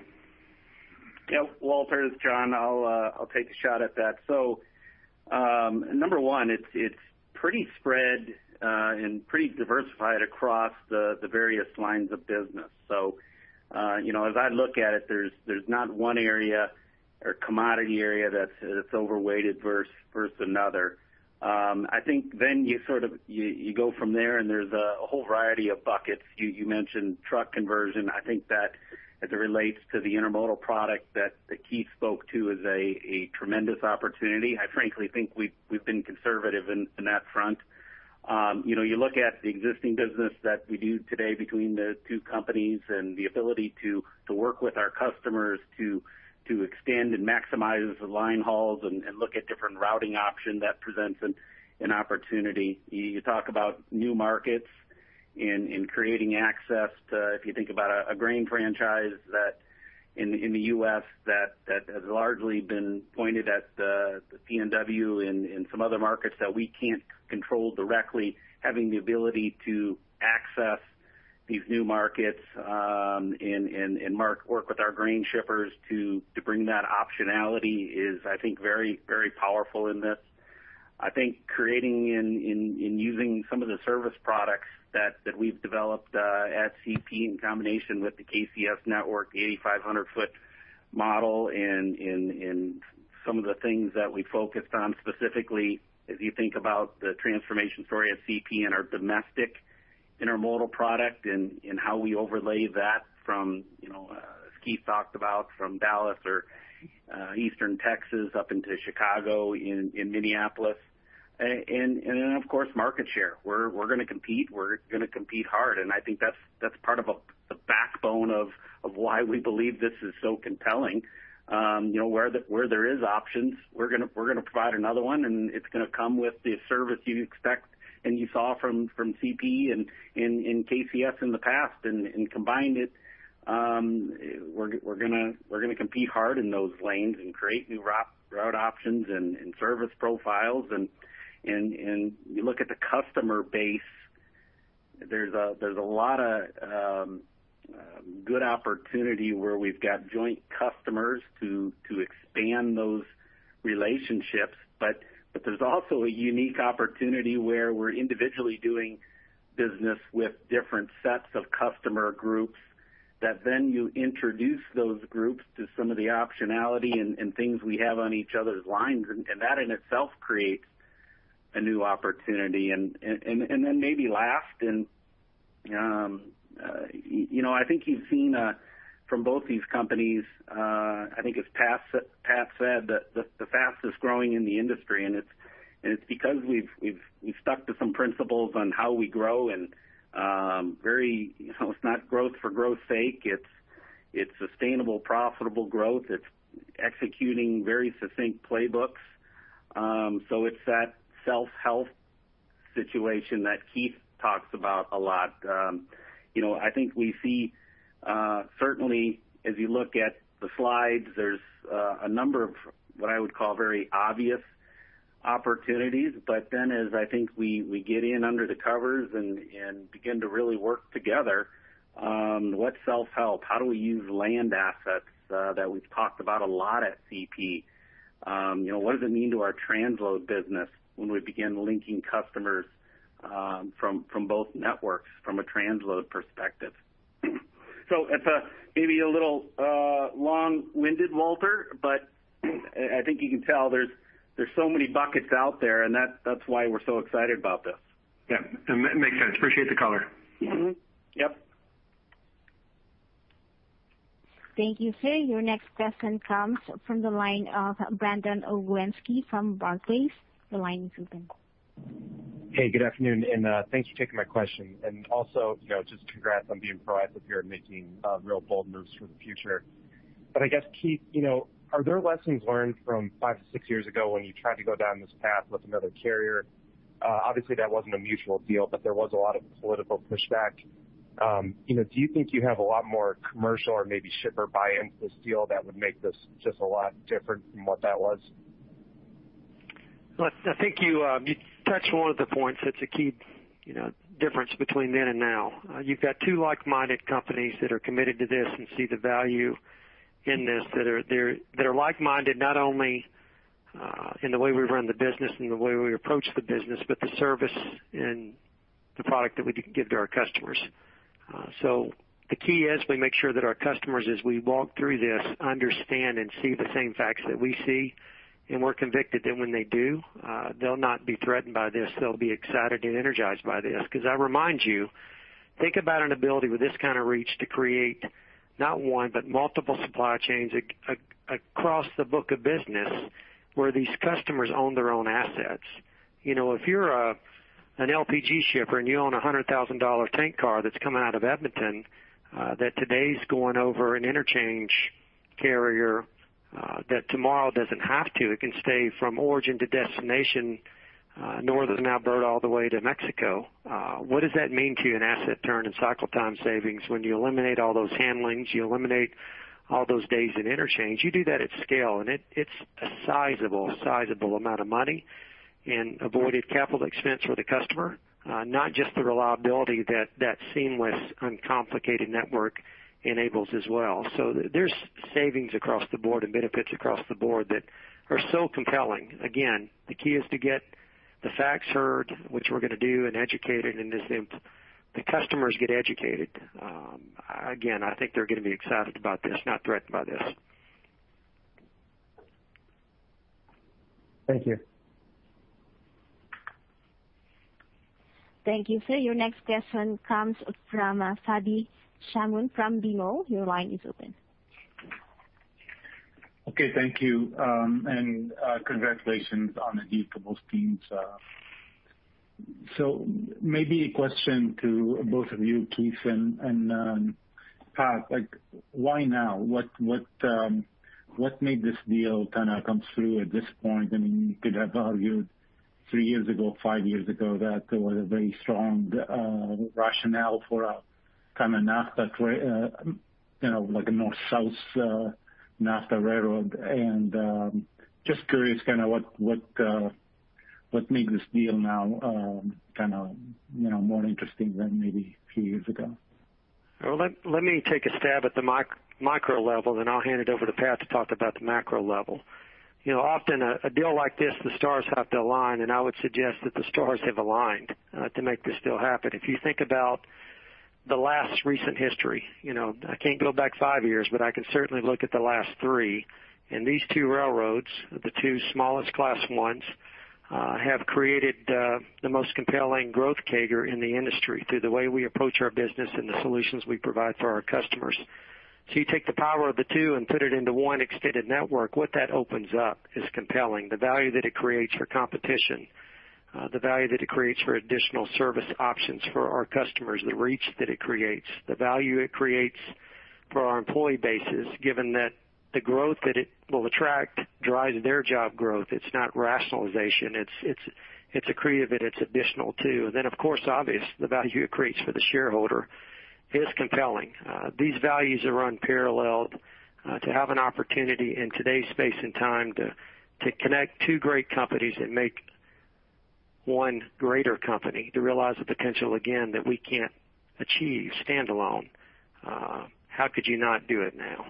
Yep, Walter, this is John. I'll take a shot at that. Number 1, it's pretty spread and pretty diversified across the various lines of business. As I look at it, there's not one area or commodity area that's overweighted versus another. I think then you go from there and there's a whole variety of buckets. You mentioned truck conversion. I think that as it relates to the intermodal product that Keith spoke to is a tremendous opportunity. I frankly think we've been conservative in that front. You look at the existing business that we do today between the two companies and the ability to work with our customers to extend and maximize the line hauls and look at different routing options, that presents an opportunity. You talk about new markets and creating access to, if you think about a grain franchise in the U.S. that has largely been pointed at the PNW and some other markets that we can't control directly, having the ability to access these new markets and work with our grain shippers to bring that optionality is, I think, very powerful in this. I think creating and using some of the service products that we've developed at CP in combination with the KCS network, the 8,500 foot model and some of the things that we focused on specifically, if you think about the transformation story at CP and our domestic intermodal product and how we overlay that from, as Keith talked about, from Dallas or Eastern Texas up into Chicago, in Minneapolis. Of course, market share. We're going to compete, we're going to compete hard, and I think that's part of the backbone of why we believe this is so compelling. Where there is options, we're going to provide another one, and it's going to come with the service you expect and you saw from CP and KCS in the past and combine it. We're going to compete hard in those lanes and create new route options and service profiles. You look at the customer base, there's a lot of good opportunity where we've got joint customers to expand those relationships. There's also a unique opportunity where we're individually doing business with different sets of customer groups, that then you introduce those groups to some of the optionality and things we have on each other's lines, and that in itself creates a new opportunity. Then maybe last, and I think you've seen from both these companies, I think as Pat said, the fastest growing in the industry, and it's because we've stuck to some principles on how we grow and it's not growth for growth's sake. It's sustainable, profitable growth. It's executing very succinct playbooks. It's that self-help situation that Keith talks about a lot. I think we see, certainly if you look at the slides, there's a number of what I would call very obvious opportunities. As I think we get in under the covers and begin to really work together, what's self-help? How do we use land assets that we've talked about a lot at CP? What does it mean to our transload business when we begin linking customers from both networks from a transload perspective? It's maybe a little long-winded, Walter, but I think you can tell there's so many buckets out there, and that's why we're so excited about this. Yeah. Makes sense. Appreciate the color. Yep. Thank you, sir. Your next question comes from the line of Brandon Oglenski from Barclays. The line is open. Hey, good afternoon, and thanks for taking my question. Also, just congrats on being proactive here and making real bold moves for the future. I guess, Keith, are there lessons learned from five to six years ago when you tried to go down this path with another carrier? Obviously, that wasn't a mutual deal, but there was a lot of political pushback. Do you think you have a lot more commercial or maybe shipper buy-in to this deal that would make this just a lot different from what that was? I think you touched one of the points that's a key difference between then and now. You've got two like-minded companies that are committed to this and see the value in this, that are like-minded not only in the way we run the business and the way we approach the business, but the service and the product that we can give to our customers. The key is we make sure that our customers, as we walk through this, understand and see the same facts that we see. We're convicted that when they do, they'll not be threatened by this, they'll be excited and energized by this. Because I remind you, think about an ability with this kind of reach to create not one, but multiple supply chains across the book of business where these customers own their own assets. If you're an LPG shipper and you own a 100,000 dollar tank car that's coming out of Edmonton, that today's going over an interchange carrier, that tomorrow doesn't have to. It can stay from origin to destination, northern Alberta all the way to Mexico. What does that mean to you in asset turn and cycle time savings when you eliminate all those handlings, you eliminate all those days in interchange? You do that at scale, and it's a sizable amount of money in avoided capital expense for the customer, not just the reliability that that seamless, uncomplicated network enables as well. There's savings across the board and benefits across the board that are so compelling. The key is to get the facts heard, which we're going to do, and educated, and the customers get educated. I think they're going to be excited about this, not threatened by this. Thank you. Thank you, sir. Your next question comes from Fadi Chamoun from BMO. Your line is open. Okay. Thank you. Congratulations on the deal to both teams. Maybe a question to both of you, Keith and Pat, why now? What made this deal kind of come through at this point? You could have argued three years ago, five years ago, that there was a kind of like a North-South NAFTA railroad. Just curious, what made this deal now more interesting than maybe a few years ago? Let me take a stab at the micro level. I'll hand it over to Pat to talk about the macro level. Often, a deal like this, the stars have to align. I would suggest that the stars have aligned to make this deal happen. If you think about the last recent history, I can't go back five years. I can certainly look at the last three. These two railroads, the two smallest Class ones, have created the most compelling growth CAGR in the industry through the way we approach our business and the solutions we provide for our customers. You take the power of the two and put it into one extended network. What that opens up is compelling. The value that it creates for competition, the value that it creates for additional service options for our customers, the reach that it creates, the value it creates for our employee bases, given that the growth that it will attract drives their job growth. It's not rationalization. It's accretive and it's additional too. Then, of course, obvious, the value it creates for the shareholder is compelling. These values are unparalleled. To have an opportunity in today's space and time to connect two great companies and make one greater company, to realize the potential again that we can't achieve standalone. How could you not do it now?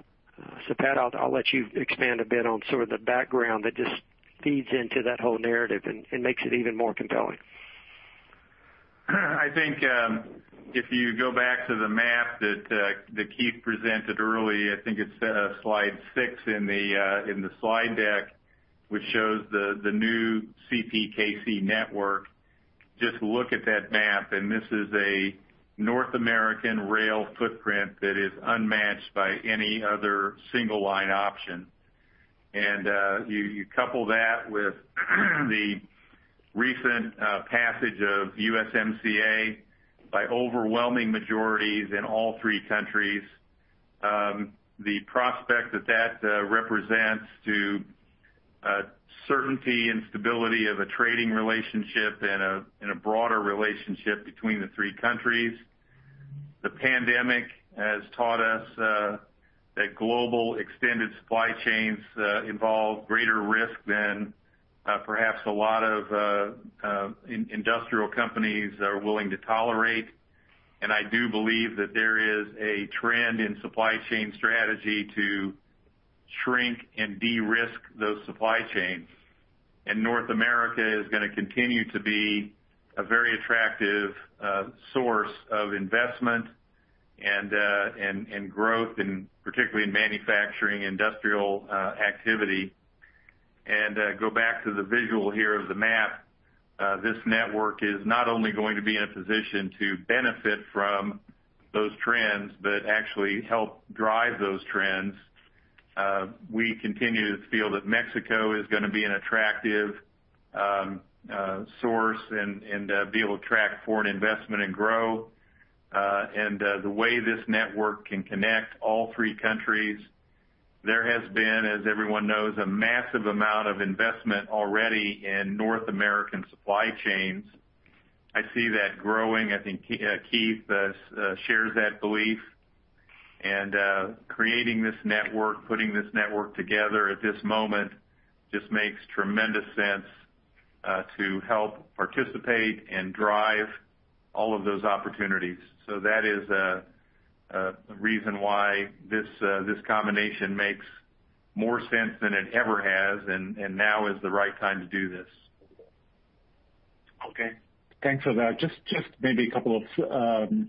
Pat, I'll let you expand a bit on sort of the background that just feeds into that whole narrative and makes it even more compelling. I think if you go back to the map that Keith presented early, I think it's slide six in the slide deck, which shows the new CPKC network. Just look at that map, this is a North American rail footprint that is unmatched by any other single line option. You couple that with the recent passage of USMCA by overwhelming majorities in all three countries, the prospect that represents to certainty and stability of a trading relationship and a broader relationship between the three countries. The pandemic has taught us that global extended supply chains involve greater risk than perhaps a lot of industrial companies are willing to tolerate. I do believe that there is a trend in supply chain strategy to shrink and de-risk those supply chains. North America is going to continue to be a very attractive source of investment and growth, particularly in manufacturing industrial activity. Go back to the visual here of the map, this network is not only going to be in a position to benefit from those trends, but actually help drive those trends. We continue to feel that Mexico is going to be an attractive source and be able to attract foreign investment and grow, and the way this network can connect all three countries. There has been, as everyone knows, a massive amount of investment already in North American supply chains. I see that growing. I think Keith shares that belief. Creating this network, putting this network together at this moment, just makes tremendous sense to help participate and drive all of those opportunities. That is a reason why this combination makes more sense than it ever has, and now is the right time to do this. Okay. Thanks for that. Just maybe a couple of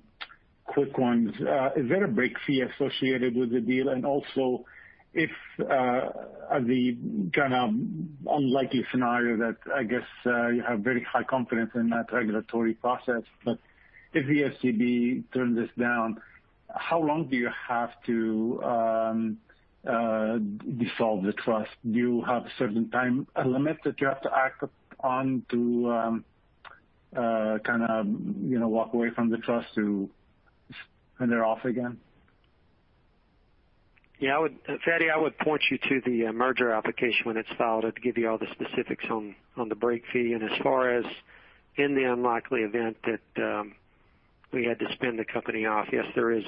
quick ones. Is there a break fee associated with the deal? Also, if the kind of unlikely scenario that I guess you have very high confidence in that regulatory process, but if the STB turns this down, how long do you have to dissolve the trust? Do you have a certain time limit that you have to act upon to kind of walk away from the trust to spin her off again? Yeah, Fadi, I would point you to the merger application when it's filed. It'll give you all the specifics on the break fee. As far as in the unlikely event that we had to spin the company off, yes, I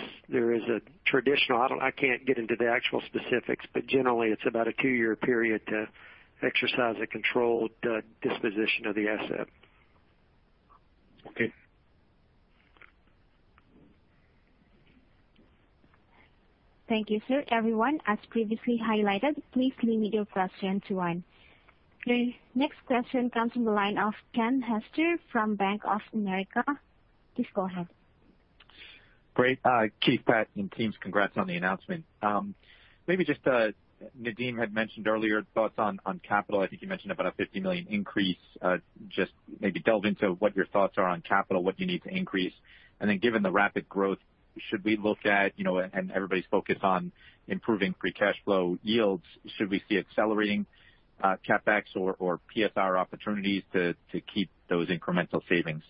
can't get into the actual specifics, but generally, it's about a two-year period to exercise a controlled disposition of the asset. Okay. Thank you, sir. Everyone, as previously highlighted, please limit your question to one. The next question comes from the line of Ken Hoexter from Bank of America. Please go ahead. Great. Keith, Pat, and teams, congrats on the announcement. Maybe just, Nadeem had mentioned earlier thoughts on capital. I think you mentioned about a 50 million increase. Just maybe delve into what your thoughts are on capital, what you need to increase, and then given the rapid growth, should we look at, and everybody's focused on improving free cash flow yields, should we see accelerating CapEx or PSR opportunities to keep those incremental savings?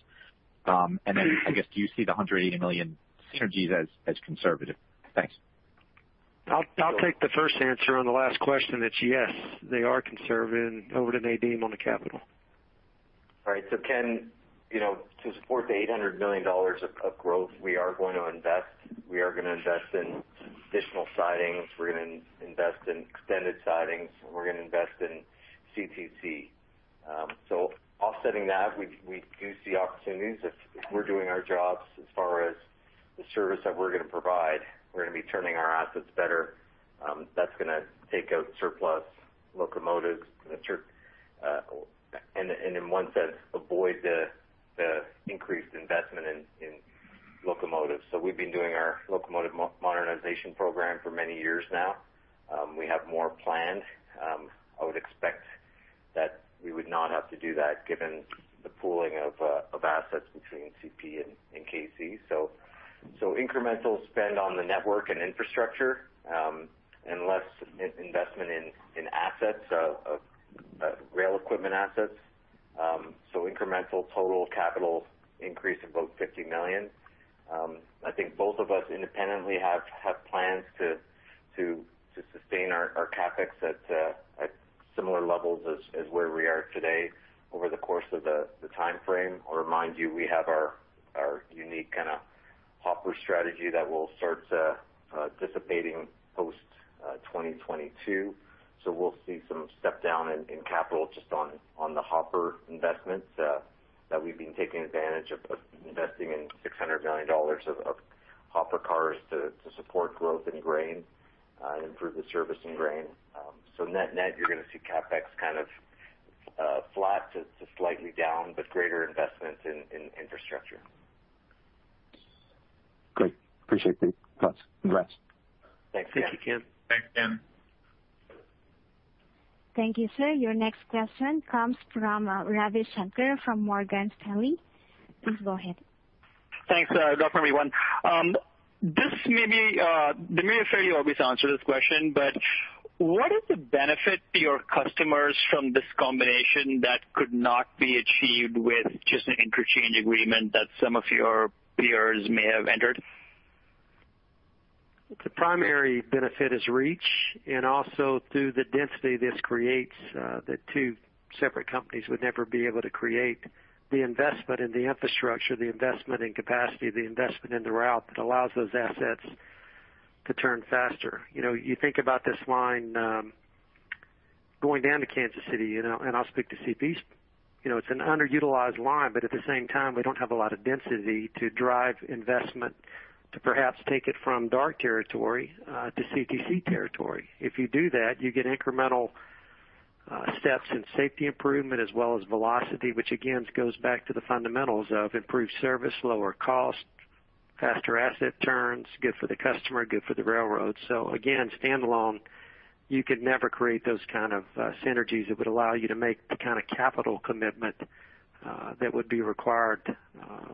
I guess, do you see the 180 million synergies as conservative? Thanks. I'll take the first answer on the last question, that yes, they are conservative. Over to Nadeem on the capital. All right. Ken, to support the $800 million of growth, we are going to invest. We are going to invest in additional sidings. We're going to invest in extended sidings, and we're going to invest in CTC. Offsetting that, we do see opportunities if we're doing our jobs as far as the service that we're going to provide. We're going to be turning our assets better. That's going to take out surplus locomotives, and in one sense, avoid the increased investment in locomotives. We've been doing our locomotive modernization program for many years now. We have more planned. I would expect that we would not have to do that given the pooling of assets between CP and KC. Incremental spend on the network and infrastructure, and less investment in assets, of rail equipment assets. Incremental total capital increase of about $50 million. I think both of us independently have plans to sustain our CapEx at similar levels as where we are today over the course of the timeframe. I'll remind you, we have our unique kind of hopper strategy that will start dissipating post-2022. We'll see some step down in capital just on the hopper investments that we've been taking advantage of, investing in 600 million dollars of hopper cars to support growth in grain and improve the service in grain. net-net, you're going to see CapEx kind of flat to slightly down, but greater investments in infrastructure. Great. Appreciate the thoughts. Congrats. Thanks, Ken. Thank you, Ken. Thanks, Ken. Thank you, sir. Your next question comes from Ravi Shanker from Morgan Stanley. Please go ahead. Thanks. Good afternoon, everyone. Nadeem, I'm sure you always answer this question, what is the benefit to your customers from this combination that could not be achieved with just an interchange agreement that some of your peers may have entered? The primary benefit is reach and also through the density this creates, the two separate companies would never be able to create the investment in the infrastructure, the investment in capacity, the investment in the route that allows those assets to turn faster. You think about this line going down to Kansas City. I'll speak to CP. It's an underutilized line. At the same time, we don't have a lot of density to drive investment to perhaps take it from dark territory to CTC territory. If you do that, you get incremental steps in safety improvement as well as velocity, which again, goes back to the fundamentals of improved service, lower cost, faster asset turns, good for the customer, good for the railroad. Again, standalone, you could never create those kind of synergies that would allow you to make the kind of capital commitment that would be required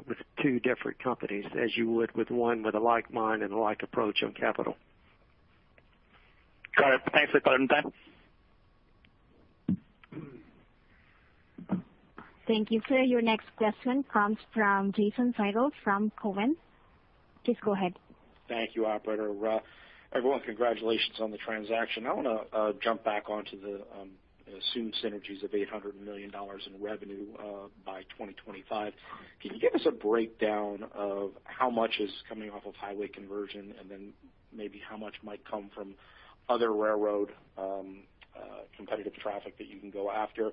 with two different companies as you would with one with a like mind and a like approach on capital. Got it. Thanks for clearing that. Thank you, sir. Your next question comes from Jason Seidel from Cowen. Please go ahead. Thank you, operator. Everyone, congratulations on the transaction. I want to jump back onto the assumed synergies of $800 million in revenue by 2025. Can you give us a breakdown of how much is coming off of highway conversion, and then maybe how much might come from other railroad competitive traffic that you can go after?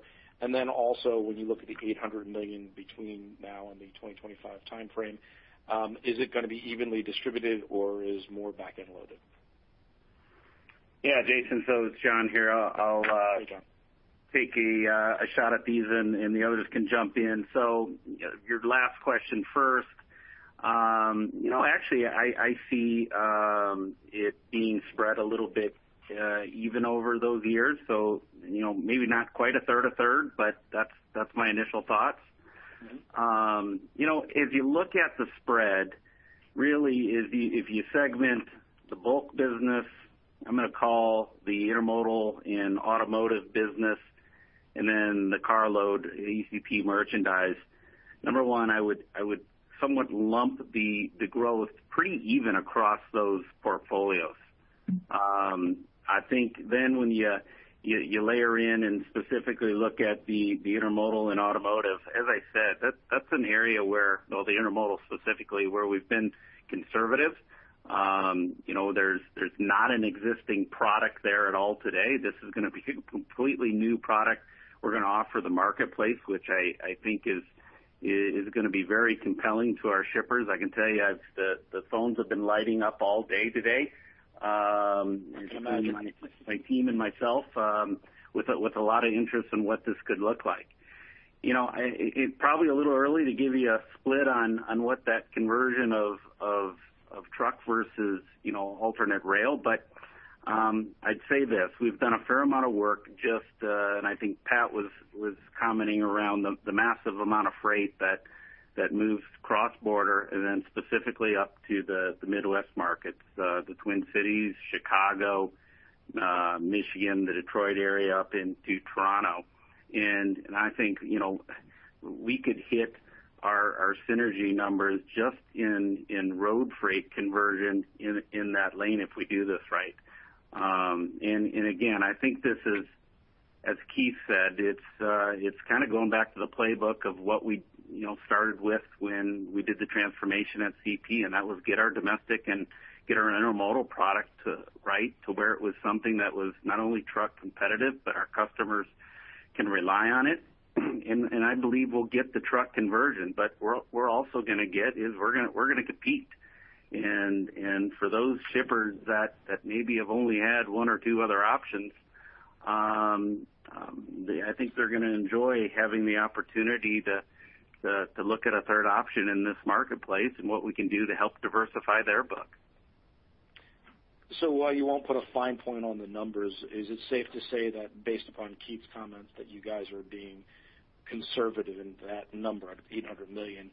When you look at the $800 million between now and the 2025 timeframe, is it going to be evenly distributed or is more back-end loaded? Yeah, Jason. It's John here. Hey, John take a shot at these, and the others can jump in. Your last question first. Actually, I see it being spread a little bit even over those years. Maybe not quite a third a third, but that's my initial thoughts. Okay. If you look at the spread, really, if you segment the bulk business, I'm going to call the intermodal and automotive business, and then the car load, ECP merchandise. Number one, I would somewhat lump the growth pretty even across those portfolios. I think when you layer in and specifically look at the intermodal and automotive, as I said, that's an area where, well, the intermodal specifically, where we've been conservative. There's not an existing product there at all today. This is going to be a completely new product we're going to offer the marketplace, which I think is going to be very compelling to our shippers. I can tell you, the phones have been lighting up all day today. I can imagine. between my team and myself with a lot of interest in what this could look like. It probably a little early to give you a split on what that conversion of truck versus alternate rail. I'd say this, we've done a fair amount of work just, and I think Pat was commenting around the massive amount of freight that moves cross-border, and then specifically up to the Midwest markets, the Twin Cities, Chicago, Michigan, the Detroit area up into Toronto. I think, we could hit our synergy numbers just in road freight conversion in that lane if we do this right. Again, I think this is, as Keith said, it's kind of going back to the playbook of what we started with when we did the transformation at CP, and that was get our domestic and get our intermodal product right to where it was something that was not only truck competitive, but our customers can rely on it. I believe we'll get the truck conversion, but we're also going to get is we're going to compete. For those shippers that maybe have only had one or two other options, I think they're going to enjoy having the opportunity to look at a third option in this marketplace and what we can do to help diversify their book. While you won't put a fine point on the numbers, is it safe to say that based upon Keith's comments, that you guys are being conservative in that number of $800 million,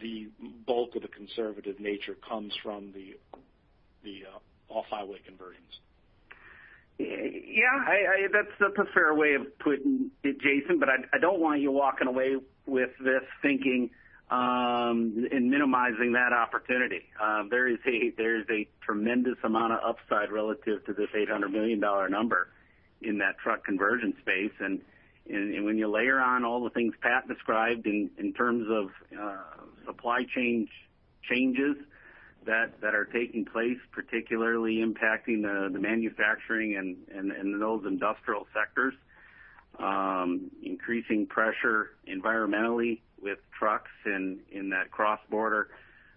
the bulk of the conservative nature comes from the off-highway conversions? Yeah. That's a fair way of putting it, Jason, I don't want you walking away with this thinking and minimizing that opportunity. There is a tremendous amount of upside relative to this $800 million number in that truck conversion space. When you layer on all the things Pat described in terms of supply changes that are taking place, particularly impacting the manufacturing and those industrial sectors, increasing pressure environmentally with trucks in that cross-border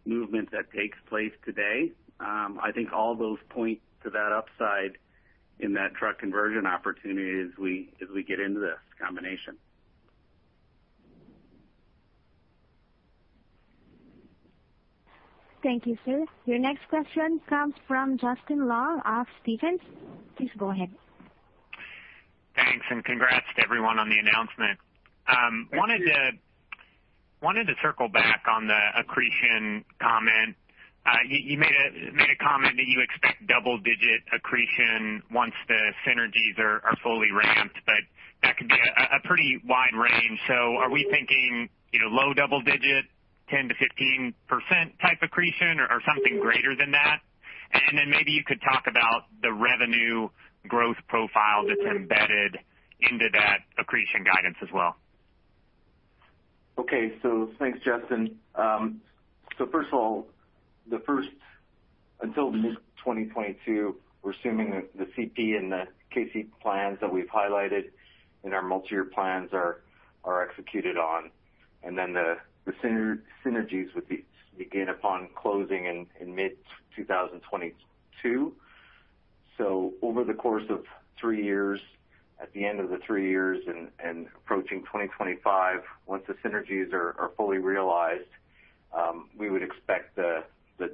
movement that takes place today. I think all those point to that upside in that truck conversion opportunity as we get into this combination. Thank you, sir. Your next question comes from Justin Long of Stephens. Please go ahead. Thanks. Congrats to everyone on the announcement. Thank you. Wanted to circle back on the accretion comment. You made a comment that you expect double-digit accretion once the synergies are fully ramped. That could be a pretty wide range. Are we thinking low double digit, 10%-15% type accretion or something greater than that? Maybe you could talk about the revenue growth profile that's embedded into that accretion guidance as well. Okay. Thanks, Justin. First of all, until mid-2022, we're assuming that the CP and the KC plans that we've highlighted in our multi-year plans are executed on. Then the synergies would begin upon closing in mid-2022. Over the course of three years, at the end of the three years and approaching 2025, once the synergies are fully realized, we would expect the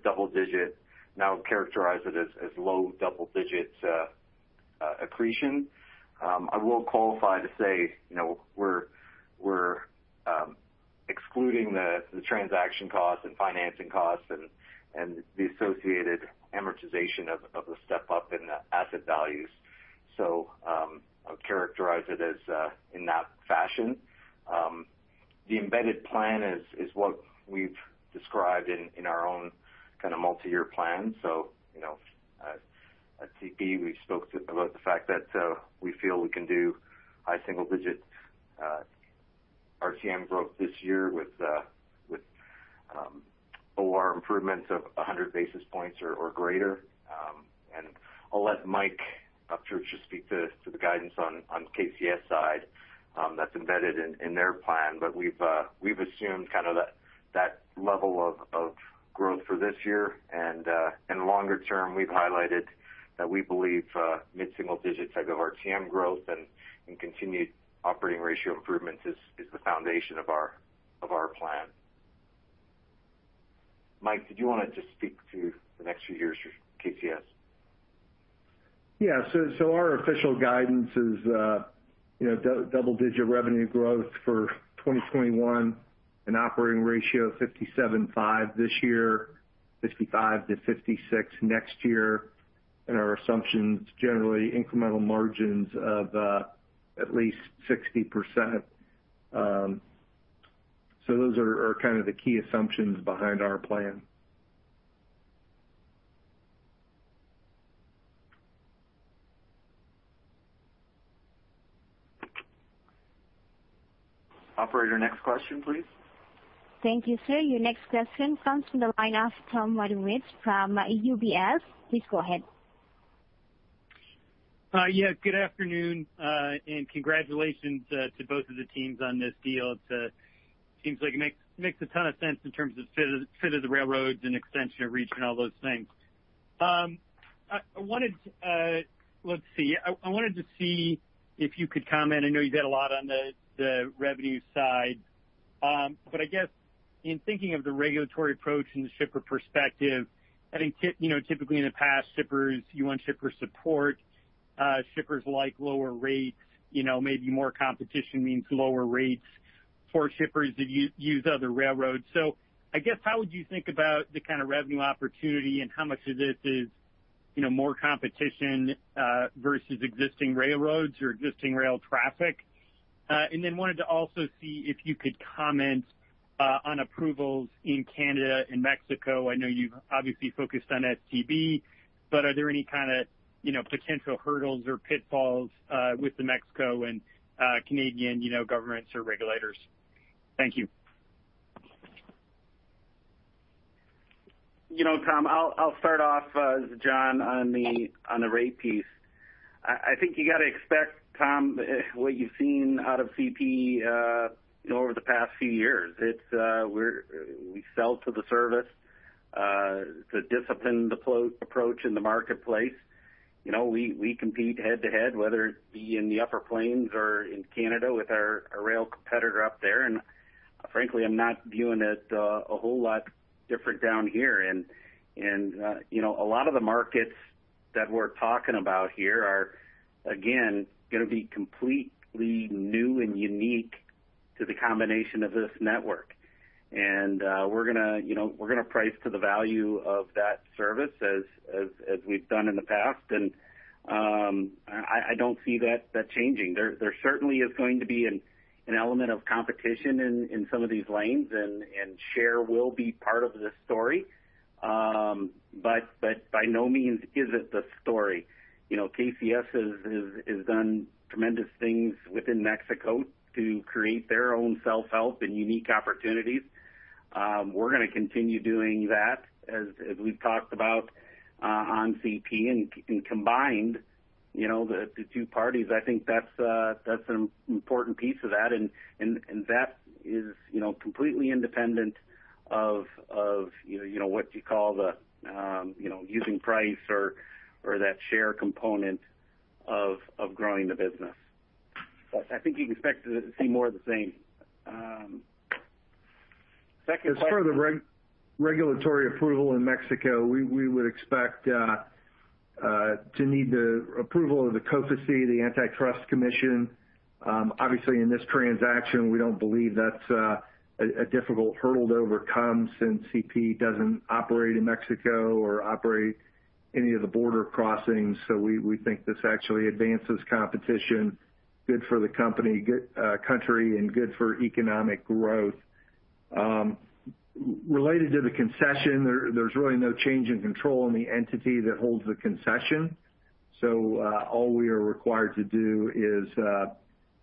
double-digit, now characterized as low double digits, accretion. I will qualify to say, we're excluding the transaction costs and financing costs and the associated amortization of the step-up in the asset values. I'll characterize it as in that fashion. The embedded plan is what we've described in our own kind of multi-year plan. At CP, we spoke about the fact that we feel we can do high single digit RCM growth this year with OR improvements of 100 basis points or greater. I'll let Mike Upchurch speak to the guidance on KCS side that's embedded in their plan. We've assumed that level of growth for this year, and longer term, we've highlighted that we believe mid-single digits type of RCM growth and continued operating ratio improvements is the foundation of our plan. Mike, did you want to just speak to the next few years for KCS? Yeah. Our official guidance is double-digit revenue growth for 2021 and operating ratio 57.5 this year, 55-56 next year. Our assumption is generally incremental margins of at least 60%. Those are kind of the key assumptions behind our plan. Operator, next question, please. Thank you, sir. Your next question comes from the line of Tom Wadewitz from UBS. Please go ahead. Yeah, good afternoon and congratulations to both of the teams on this deal. It seems like it makes a ton of sense in terms of fit of the railroads and extension of reach and all those things. Let's see. I wanted to see if you could comment, I know you did a lot on the revenue side. I guess in thinking of the regulatory approach and the shipper perspective, I think, typically in the past, you want shipper support, shippers like lower rates, maybe more competition means lower rates for shippers that use other railroads. I guess, how would you think about the kind of revenue opportunity and how much of this is more competition versus existing railroads or existing rail traffic? I wanted to also see if you could comment on approvals in Canada and Mexico. I know you've obviously focused on STB, but are there any kind of potential hurdles or pitfalls with the Mexico and Canadian governments or regulators? Thank you. Tom, I'll start off, this is John, on the rate piece. I think you got to expect, Tom, what you've seen out of CP over the past few years. We sell to the service, the disciplined approach in the marketplace. We compete head-to-head, whether it be in the Upper Plains or in Canada with our rail competitor up there. Frankly, I'm not viewing it a whole lot different down here. A lot of the markets that we're talking about here are, again, going to be completely new and unique to the combination of this network. We're going to price to the value of that service as we've done in the past. I don't see that changing. There certainly is going to be an element of competition in some of these lanes, and share will be part of the story. By no means is it the story. KCS has done tremendous things within Mexico to create their own self-help and unique opportunities. We're going to continue doing that, as we've talked about on CP. Combined, the two parties, I think that's an important piece of that, and that is completely independent of what you call the using price or that share component of growing the business. I think you can expect to see more of the same. Second question. As for the regulatory approval in Mexico, we would expect to need the approval of the COFECE, the Antitrust Commission. Obviously, in this transaction, we don't believe that's a difficult hurdle to overcome since CP doesn't operate in Mexico or operate Any of the border crossings. We think this actually advances competition, good for the country and good for economic growth. Related to the concession, there's really no change in control in the entity that holds the concession. All we are required to do is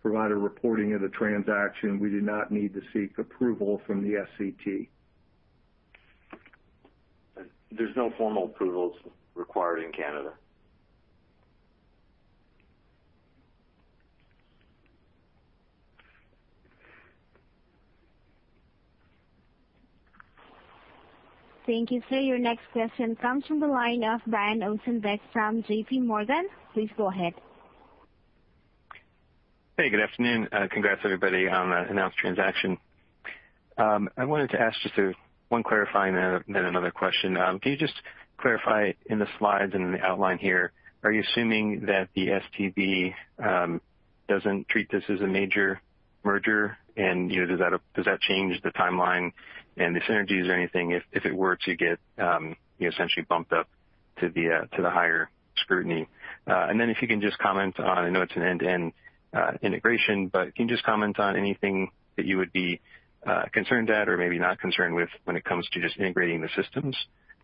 provide a reporting of the transaction. We do not need to seek approval from the SCT. There's no formal approvals required in Canada. Thank you, sir. Your next question comes from the line of Brian Ossenbeck from JP Morgan. Please go ahead. Hey, good afternoon. Congrats everybody on the announced transaction. I wanted to ask just one clarifying and then another question. Can you just clarify in the slides and in the outline here, are you assuming that the STB doesn't treat this as a major merger? Does that change the timeline and the synergies or anything if it were to get essentially bumped up to the higher scrutiny? If you can just comment on, I know it's an end-to-end integration, but can you just comment on anything that you would be concerned at or maybe not concerned with when it comes to just integrating the systems,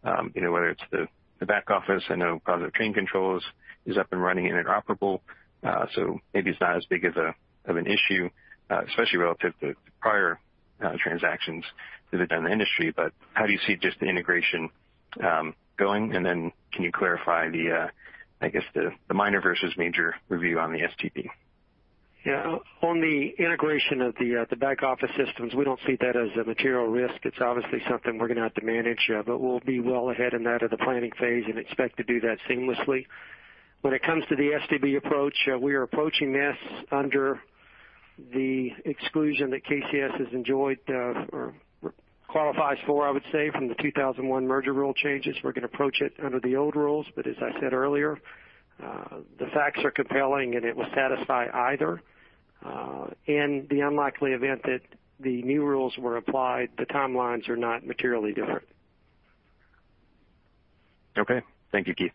whether it's the back office, I know Positive Train Controls is up and running interoperable. Maybe it's not as big of an issue, especially relative to prior transactions that have done in the industry. How do you see just the integration going? Can you clarify the, I guess, the minor versus major review on the STB? Yeah. On the integration of the back office systems, we don't see that as a material risk. It's obviously something we're going to have to manage, but we'll be well ahead in that of the planning phase and expect to do that seamlessly. When it comes to the STB approach, we are approaching this under the exclusion that KCS qualifies for, I would say, from the 2001 merger rule changes. We're going to approach it under the old rules, but as I said earlier, the facts are compelling, and it will satisfy either. In the unlikely event that the new rules were applied, the timelines are not materially different. Okay. Thank you, Keith.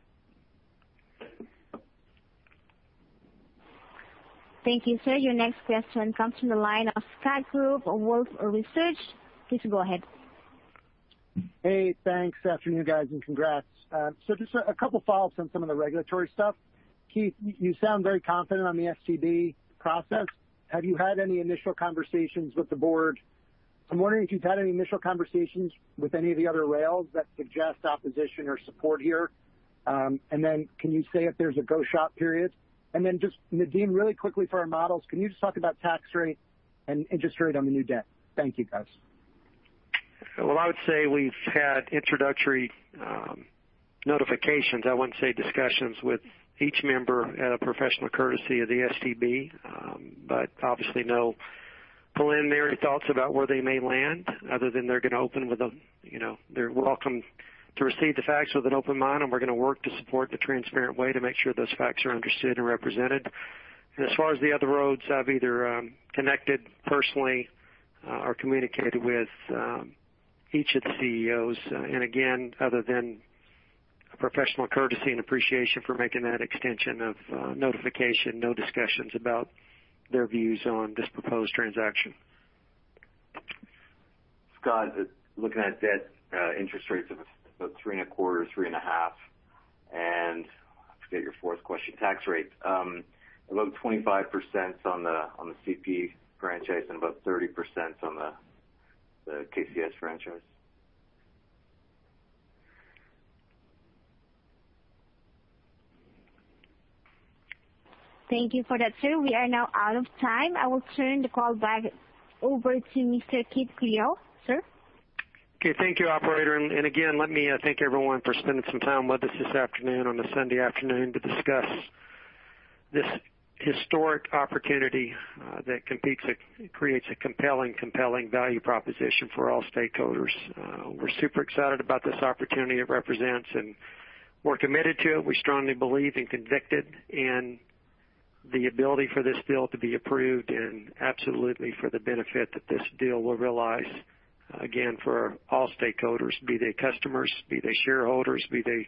Thank you, sir. Your next question comes from the line of Scott Group of Wolfe Research. Please go ahead. Hey, thanks. Afternoon, guys, and congrats. Just a couple follows on some of the regulatory stuff. Keith, you sound very confident on the STB process. Have you had any initial conversations with the board? I'm wondering if you've had any initial conversations with any of the other rails that suggest opposition or support here. Can you say if there's a go shop period? Just Nadeem, really quickly for our models, can you just talk about tax rate and interest rate on the new debt? Thank you, guys. Well, I would say we've had introductory notifications, I wouldn't say discussions, with each member out of professional courtesy of the STB. Obviously, no preliminary thoughts about where they may land other than they're welcome to receive the facts with an open mind, and we're going to work to support the transparent way to make sure those facts are understood and represented. As far as the other roads, I've either connected personally or communicated with each of the CEOs. Again, other than a professional courtesy and appreciation for making that extension of notification, no discussions about their views on this proposed transaction. Scott, looking at debt interest rates of about 3.25, 3.5. I forget your fourth question, tax rate. About 25% on the CP franchise and about 30% on the KCS franchise. Thank you for that, sir. We are now out of time. I will turn the call back over to Mr. Keith Creel. Sir? Okay. Thank you, operator. Again, let me thank everyone for spending some time with us this afternoon, on a Sunday afternoon, to discuss this historic opportunity that creates a compelling value proposition for all stakeholders. We're super excited about this opportunity it represents, and we're committed to it. We strongly believe and convicted in the ability for this deal to be approved and absolutely for the benefit that this deal will realize, again, for all stakeholders, be they customers, be they shareholders, be they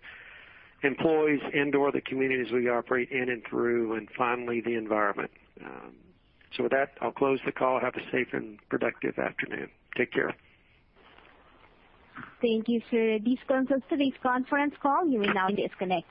employees and/or the communities we operate in and through, and finally, the environment. With that, I'll close the call. Have a safe and productive afternoon. Take care. Thank you, sir. This concludes today's conference call. You may now disconnect.